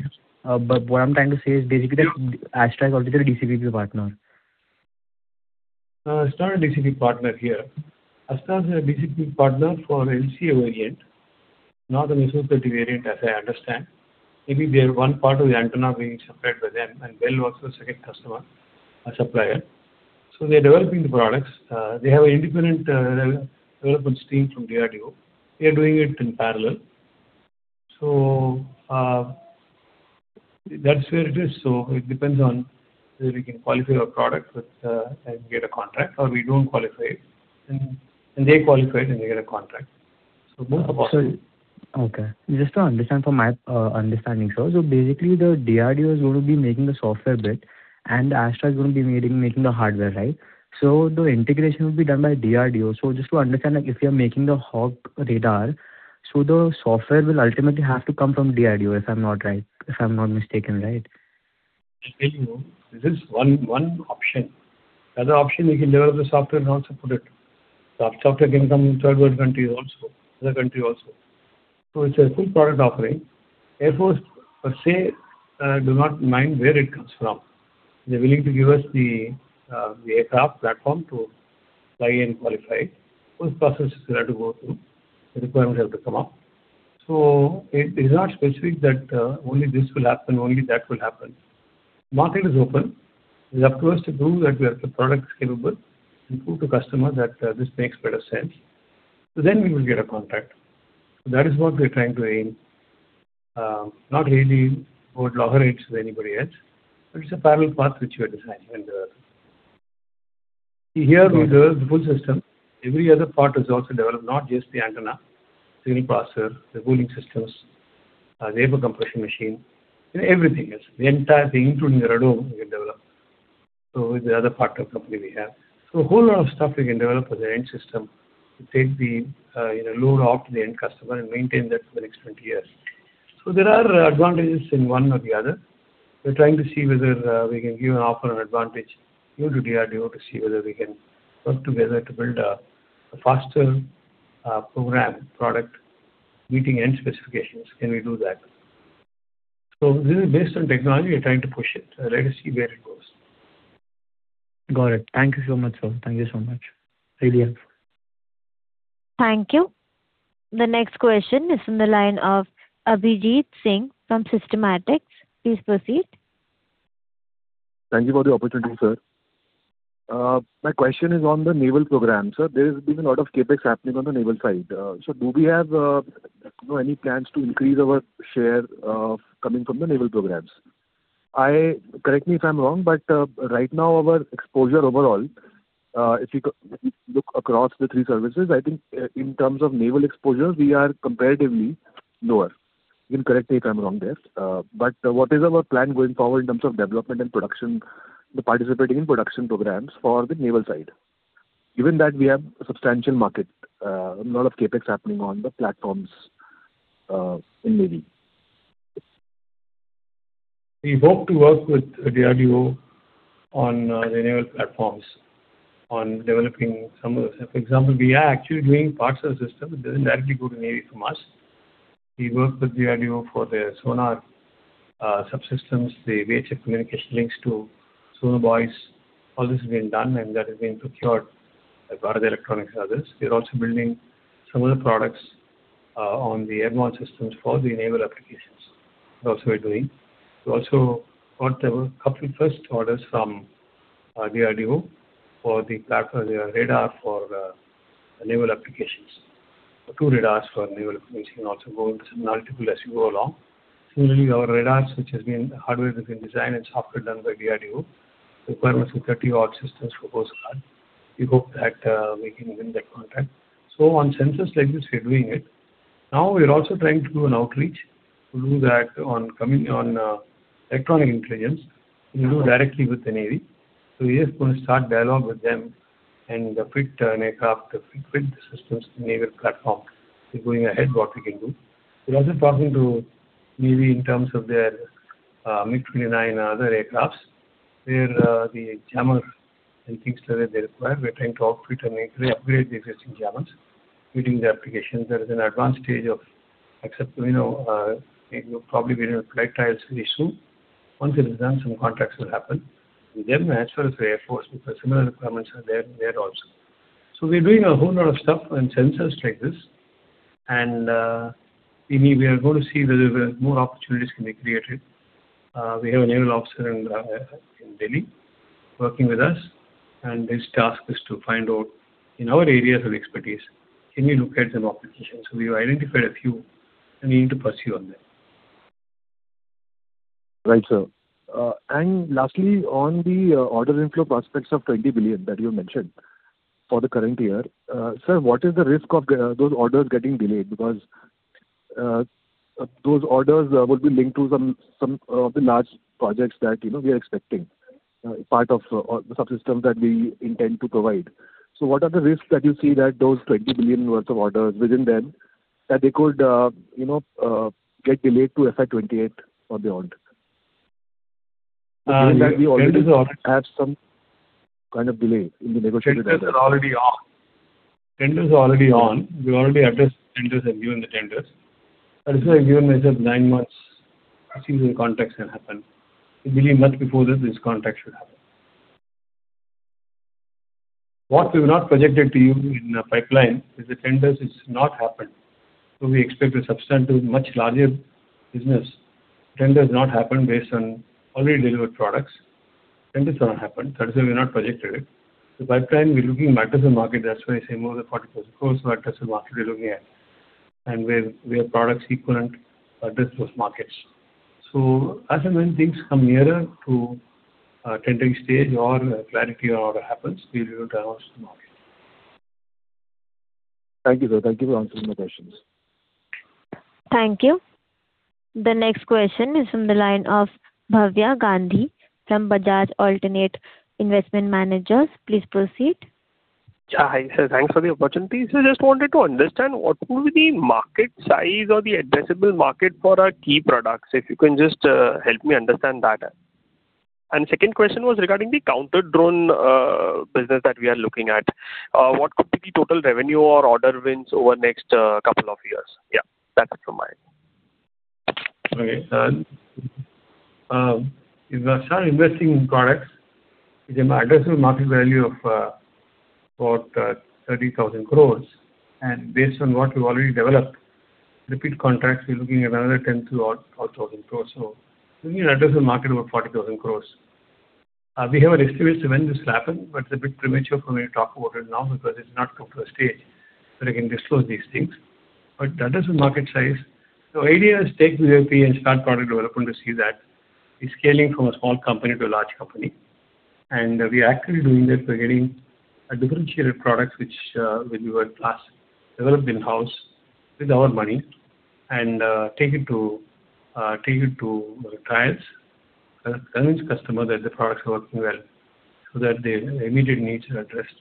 What I'm trying to say is basically that Astra is also the DCPP partner. It's not a DCPP partner here. Astra is a DCPP partner for MC variant, not the MS50 variant as I understand. Maybe they are one part of the antenna being supplied by them, and BEL was the second customer, supplier. They are developing the products. They have an independent development team from DRDO. We are doing it in parallel. That's where it is. It depends on whether we can qualify our product with, and get a contract, or we don't qualify and they qualify it, and they get a contract. Both are possible. Okay. Just to understand from my understanding. Basically, the DRDO is going to be making the software bit, and Astra is going to be making the hardware, right? The integration will be done by DRDO. Just to understand, if we are making the HAWK radar, the software will ultimately have to come from DRDO, if I'm not mistaken, right? Maybe, no. This is one option. The other option, we can develop the software and also put it. Software can come from third-world country also, other country also. It's a full product offering. Air Force per se, do not mind where it comes from. They're willing to give us the aircraft platform to buy and qualify. Those processes we'll have to go through. The requirements have to come up. It is not specific that only this will happen, only that will happen. Market is open. It's up to us to prove that the product is capable and prove to customers that this makes better sense. Then we will get a contract. That is what we're trying to aim. Not really go at loggerheads with anybody else, but it's a parallel path which we are designing and developing. See here, we develop the full system. Every other part is also developed, not just the antenna, signal processor, the cooling systems, vapor compression machine. Everything else. The entire thing, including the radome, we can develop. With the other partner company we have. A whole lot of stuff we can develop as an end system to take the load off the end customer and maintain that for the next 20 years. There are advantages in one or the other. We're trying to see whether we can give an offer, an advantage, even to DRDO, to see whether we can work together to build a faster program, product meeting end specifications. Can we do that? This is based on technology. We're trying to push it. Let us see where it goes. Got it. Thank you so much, sir. Thank you so much. Really helpful. Thank you. The next question is from the line of Abhijeet Singh from Systematix. Please proceed. Thank you for the opportunity, sir. My question is on the naval program. Sir, there has been a lot of CapEx happening on the naval side. Do we have any plans to increase our share coming from the naval programs? Correct me if I'm wrong, but right now our exposure overall, if we look across the three services, I think in terms of naval exposure, we are comparatively lower. Correct me if I'm wrong there, but what is our plan going forward in terms of development and production, participating in production programs for the naval side, given that we have a substantial market, a lot of CapEx happening on the platforms in Navy? We hope to work with DRDO on the naval platforms, on developing some of those. For example, we are actually doing parts of the system. It doesn't directly go to Navy from us. We work with DRDO for their sonar subsystems, the VHF communication links to sonobuoys. All this has been done, and that has been procured as part of the electronics others. We are also building some of the products on the MR systems for the naval applications. That's what we're doing. We also got a couple of first orders from DRDO for the platform radar for the naval applications. Two radars for naval applications, and also going to some multiple as you go along. Similarly, our radars, which has been hardware has been designed and software done by DRDO. Requirements of 30 odd systems for both sides. We hope that we can win that contract. On sensors like this, we are doing it. Now we are also trying to do an outreach to do that on electronic intelligence. We'll do directly with the Navy. We are going to start dialogue with them and fit an aircraft, fit the systems, naval platform. We're going ahead what we can do. We're also talking to Navy in terms of their MiG-29 other aircrafts, where the jammers and things like that they require. We're trying to offer to upgrade the existing jammers. We're doing the applications. That is in advanced stage of accepting. We'll probably be in flight trials very soon. Once it is done, some contracts will happen with them, as well as the Air Force, because similar requirements are there also. We're doing a whole lot of stuff on sensors like this, and we are going to see whether more opportunities can be created. We have a naval officer in Delhi working with us, his task is to find out in our areas of expertise, can we look at some opportunities. We have identified a few, and we need to pursue on them. Right, sir. Lastly, on the order inflow prospects of 20 billion that you mentioned for the current year. Sir, what is the risk of those orders getting delayed? Because those orders would be linked to some of the large projects that we are expecting, part of the subsystems that we intend to provide. What are the risks that you see that those 20 billion worth of orders within them, that they could get delayed to FY 2028 or beyond? Given that we already have some kind of delay in the negotiated orders. Tenders are already on. We've already addressed the tenders and given the tenders. That is why I've given myself nine months to see when contracts can happen. We believe much before this contract should happen. What we've not projected to you in the pipeline is the tenders which have not happened. We expect a substantial, much larger business. Tenders have not happened based on already delivered products. Tenders have not happened. That is why we've not projected it. Pipeline, we're looking at addressable market. That's why I say more than 40 billion. Those are addressable market we're looking at, and where products equivalent address those markets. As and when things come nearer to tendering stage or clarity or order happens, we will announce to the market. Thank you, sir. Thank you for answering my questions. Thank you. The next question is from the line of Bhavya Gandhi from Bajaj Alternate Investment Management. Please proceed. Hi, sir. Thanks for the opportunity. Sir, just wanted to understand what will be market size or the addressable market for our key products? If you can just help me understand that. Second question was regarding the counter-drone business that we are looking at. What could be the total revenue or order wins over next couple of years? That's it from my end. If you are investing in products with an addressable market value of about 30,000 crores, based on what we've already developed, repeat contracts, we're looking at another 10,000 crores-12,000 crores. We need an addressable market of about 40,000 crores. We have an estimate as to when this will happen, it's a bit premature for me to talk about it now because it's not come to a stage where I can disclose these things. The idea is take UAP and start product development to see that we're scaling from a small company to a large company. We are actively doing this by getting a differentiated product, which will be world-class, developed in-house with our money, and take it to trials, convince customer that the products are working well, so that their immediate needs are addressed.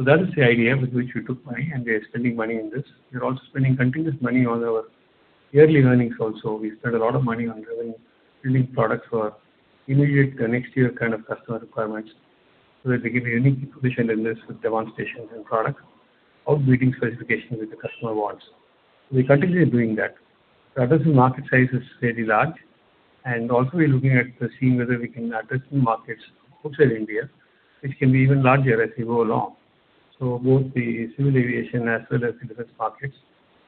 That is the idea with which we took money, we are spending money in this. We are also spending continuous money on our yearly earnings also. We spend a lot of money on driving, building products for immediate next year kind of customer requirements, so that we get a unique position in this with demonstrations and products, outbuilding specifications which the customer wants. We're continually doing that. The addressable market size is very large, also we're looking at seeing whether we can address new markets outside India, which can be even larger as we go along. Both the civil aviation as well as the defense markets,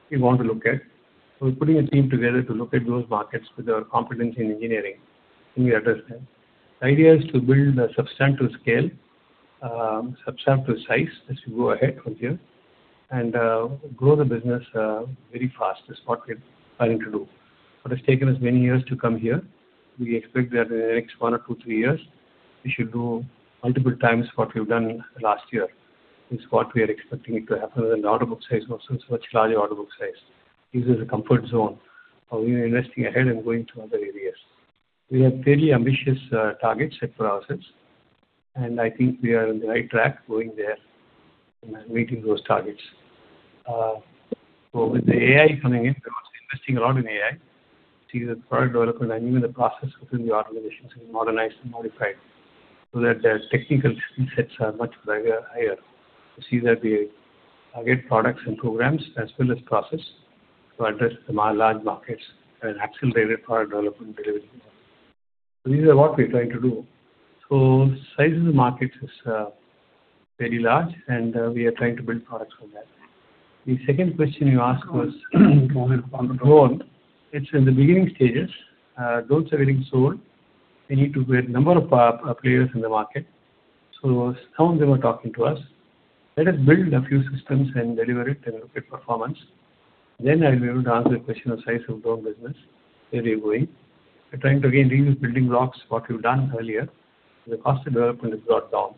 we want to look at. We're putting a team together to look at those markets with our competency in engineering, can we address them. The idea is to build a substantial scale, substantial size as we go ahead from here. Grow the business very fast. That's what we're planning to do. It's taken us many years to come here. We expect that in the next one or two, three years, we should do multiple times what we've done last year. We are expecting it to happen with an order book size, much, much larger order book size. This is a comfort zone. We are investing ahead and going to other areas. We have very ambitious targets set for ourselves, and I think we are on the right track going there and meeting those targets. With the AI coming in, we're also investing a lot in AI to see that product development and even the process within the organization is modernized and modified so that the technical skill sets are much higher. To see that we get products and programs as well as process to address the large markets and accelerated product development delivery. These are what we're trying to do. The size of the market is very large, and we are trying to build products for that. The second question you asked was on the drone. It's in the beginning stages. Drones are getting sold. We need to get number of players in the market. Some of them are talking to us. Let us build a few systems and deliver it and look at performance. I'll be able to answer the question of size of drone business, where we are going. We're trying to, again, reuse building blocks, what we've done earlier. The cost of development is lot down.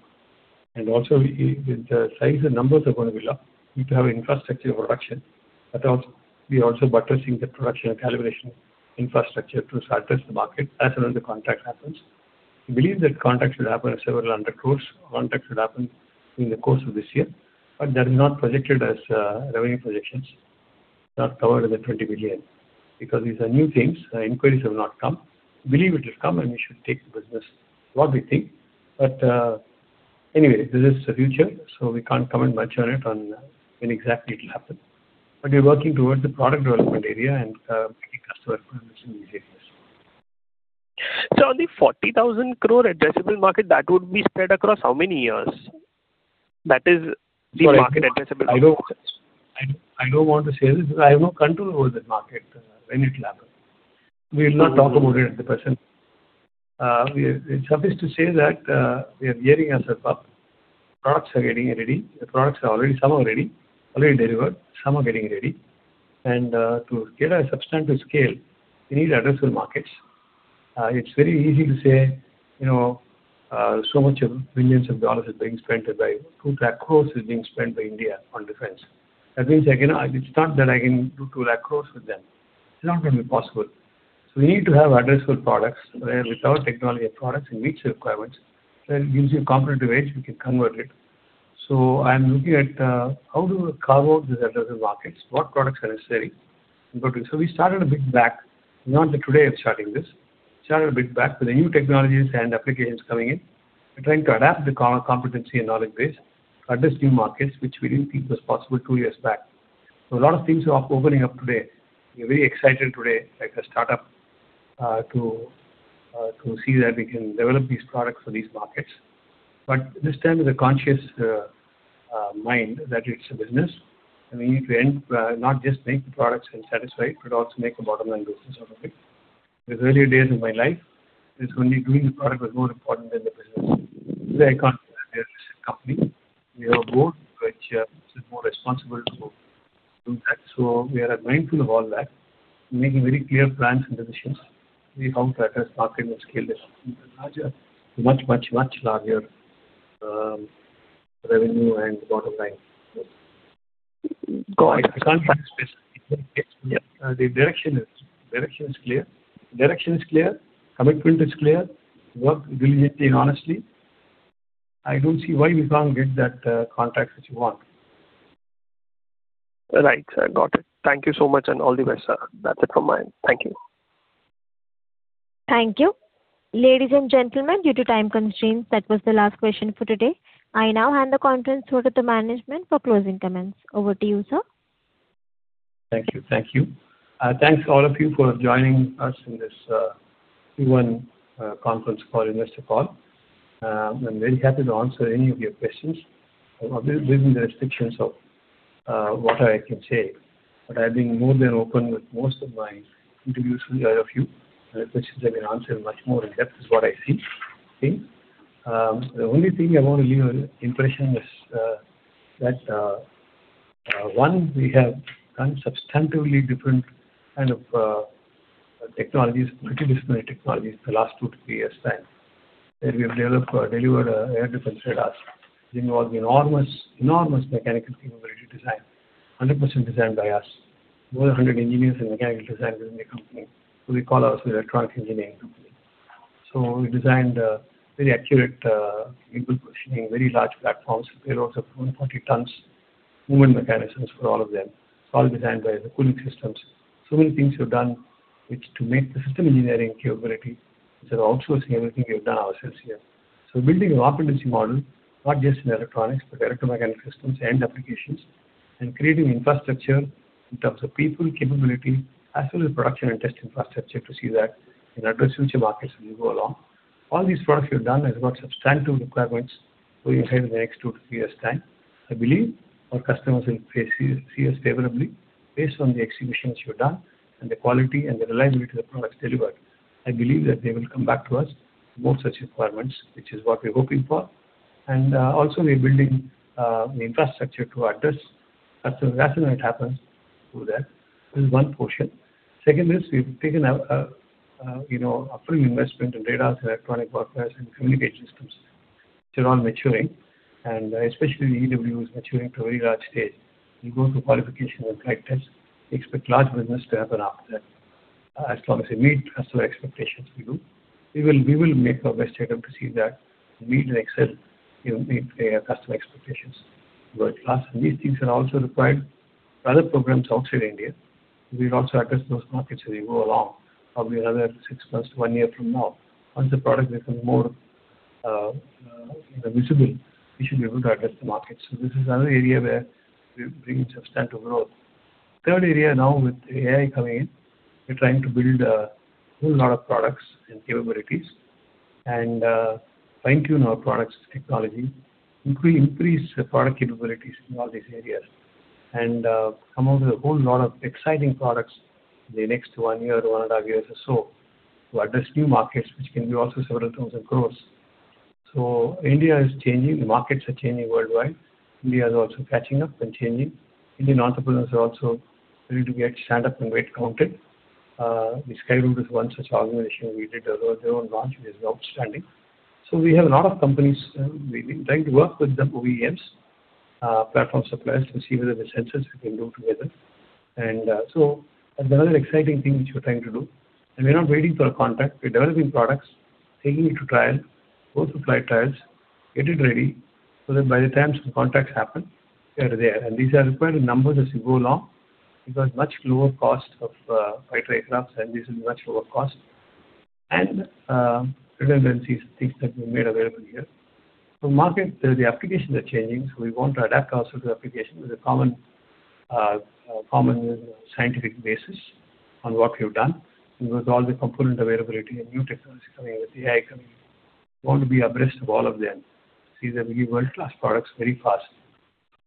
Also, with the size and numbers are going to be low, we need to have an infrastructure of production. We are also buttressing the production and calibration infrastructure to address the market as soon as the contract happens. We believe that contracts will happen several hundred INR crore. Contracts will happen in the course of this year, but that is not projected as revenue projections, not covered in the 20 billion. These are new things, inquiries have not come. We believe it will come, and we should take the business, what we think. Anyway, this is the future, so we can't comment much on it on when exactly it'll happen. We're working towards the product development area and getting customer requirements in these areas. Sir, on the 40,000 crore addressable market, that would be spread across how many years? That is the market addressable. I don't want to say this. I have no control over that market, when it'll happen. We'll not talk about it at the present. It's sufficient to say that we are gearing ourselves up. Products are getting ready. The products are already some are ready, already delivered, some are getting ready. To get a substantive scale, we need addressable markets. It's very easy to say so much of billions of INR is being spent by India on defense. That means it's not that I can do 2 lakh crore with them. It's not going to be possible. We need to have addressable products where with our technology products, it meets the requirements. It gives you a competitive edge, you can convert it. I'm looking at how do we carve out these addressable markets? What products are necessary? We started a bit back. Not that today I'm starting this. We started a bit back with the new technologies and applications coming in. We're trying to adapt the competency and knowledge base to address new markets, which we didn't think was possible two years back. A lot of things are opening up today. We're very excited today, like a startup, to see that we can develop these products for these markets. This time with a conscious mind that it's a business, and we need to end, not just make the products and satisfy, but also make a bottom-line business out of it. The earlier days of my life, it's only doing the product was more important than the business. Today, I can't. We are a listed company. We have a board which is more responsible to do that. We are mindful of all that. We're making very clear plans and decisions. We have to address market and scale this into a much, much, much larger revenue and bottom line. Got it. I can't promise this. The direction is clear. Direction is clear, commitment is clear. Work diligently and honestly. I don't see why we can't get that contract which you want. Right, sir. Got it. Thank you so much and all the best, sir. That's it from my end. Thank you. Thank you. Ladies and gentlemen, due to time constraints, that was the last question for today. I now hand the conference over to the management for closing comments. Over to you, sir. Thank you. Thank you. Thanks all of you for joining us in this Q1 conference call, investor call. I'm very happy to answer any of your questions within the restrictions of what I can say. But I've been more than open with most of my interviews with all of you. The questions I can answer in much more in depth is what I think. The only thing I want to leave an impression is that, one, we have done substantively different kind of technologies, multidisciplinary technologies the last two to three years' time. That we have developed, delivered air defense radars, involved enormous mechanical capability design, 100% designed by us. More than 100 engineers and mechanical designers in the company. We call ourselves electronic engineering company. We designed very accurate people positioning, very large platforms, payloads of 140 tons, movement mechanisms for all of them. It's all designed by the cooling systems. Many things we have done, which to make the system engineering capability, instead of outsourcing everything, we've done ourselves here. Building a competency model, not just in electronics, but electromechanical systems and applications, and creating infrastructure in terms of people capability, as well as production and test infrastructure to see that we address future markets as we go along. All these products we have done has got substantive requirements for inside the next two to three years' time. I believe our customers will see us favorably based on the executions we've done and the quality and the reliability of the products delivered. I believe that they will come back to us for more such requirements, which is what we're hoping for. Also, we're building an infrastructure to address That's the rationale it happens through that. This is one portion. Second is, we've taken up a full investment in radars, electronic warfare, and communication systems, which are all maturing, and especially EW is maturing to a very large stage. We go through qualification and flight tests. We expect large business to happen after that. As long as they meet customer expectations, we will make our best attempt to see that we need to excel in customer expectations. World-class. These things are also required for other programs outside India. We will also address those markets as we go along, probably another six months to one year from now. Once the product becomes more visible, we should be able to address the markets. This is another area where we bring substantial growth. Third area now with AI coming in, we're trying to build a whole lot of products and capabilities and fine-tune our products technology, increase the product capabilities in all these areas, and come out with a whole lot of exciting products in the next one year to one and a half years or so to address new markets, which can be also several thousand crore. India is changing. The markets are changing worldwide. India is also catching up and changing. Indian entrepreneurs are also ready to get stand up and get counted. The Skyroot is one such organization. We did our own launch, it is outstanding. We have a lot of companies, we've been trying to work with the OEMs, platform suppliers to see whether the sensors we can do together. That's another exciting thing which we're trying to do. We're not waiting for a contract. We're developing products, taking it to trial, go through flight trials, get it ready, so that by the time some contracts happen, they are there. These are required in numbers as you go along, because much lower cost of fighter aircrafts, and this is much lower cost. Redundancies are things that we made available here. Market, the applications are changing, so we want to adapt also to application with a common scientific basis on what we've done, because all the component availability and new technology coming in, with AI coming in, we want to be abreast of all of them. See that we give world-class products very fast.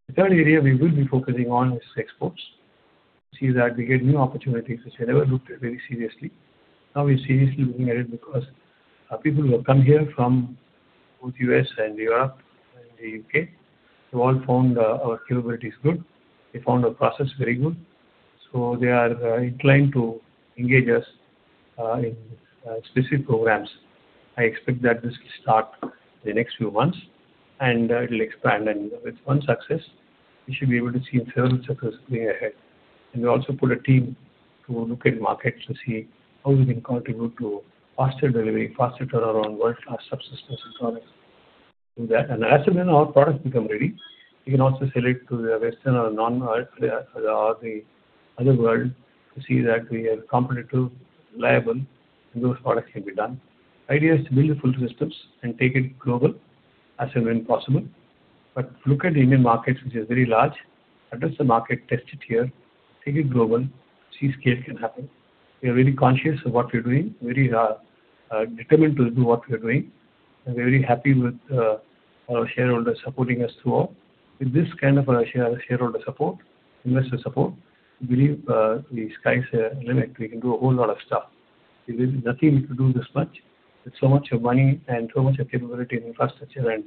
The third area we will be focusing on is exports. See that we get new opportunities, which we never looked at very seriously. Now we're seriously looking at it because people who have come here from both U.S. and Europe and the U.K. have all found our capabilities good. They found our process very good. They are inclined to engage us in specific programs. I expect that this will start in the next few months, and it'll expand. With one success, we should be able to see internal success way ahead. We also put a team to look at markets to see how we can contribute to faster delivery, faster turnaround, world-class subsystems and so on. Do that. As and when our products become ready, we can also sell it to the Western or non-earth or the other world to see that we are competitive, reliable, and those products can be done. Idea is to build the full systems and take it global as and when possible. Look at the Indian market, which is very large. Address the market, test it here, take it global, see scale can happen. We are very conscious of what we're doing, very determined to do what we're doing, and very happy with our shareholders supporting us through all. With this kind of a shareholder support, investor support, we believe the sky's the limit. We can do a whole lot of stuff. There's nothing we could do this much with so much of money and so much of capability and infrastructure and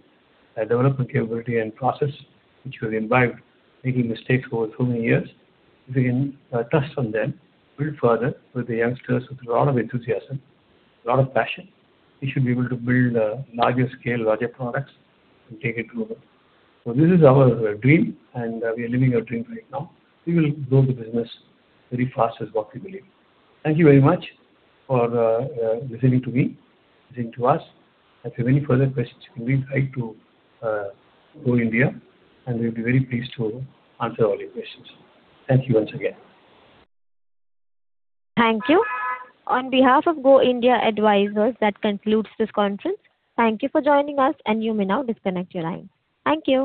development capability and process, which we've imbibed, making mistakes over so many years. If we can trust on them, build further with the youngsters, with a lot of enthusiasm, a lot of passion, we should be able to build larger scale, larger products, and take it global. This is our dream, and we are living our dream right now. We will grow the business very fast is what we believe. Thank you very much for listening to me, listening to us. If you have any further questions, you can write to Go India, and we'll be very pleased to answer all your questions. Thank you once again. Thank you. On behalf of Go India Advisors, that concludes this conference. Thank you for joining us, and you may now disconnect your line. Thank you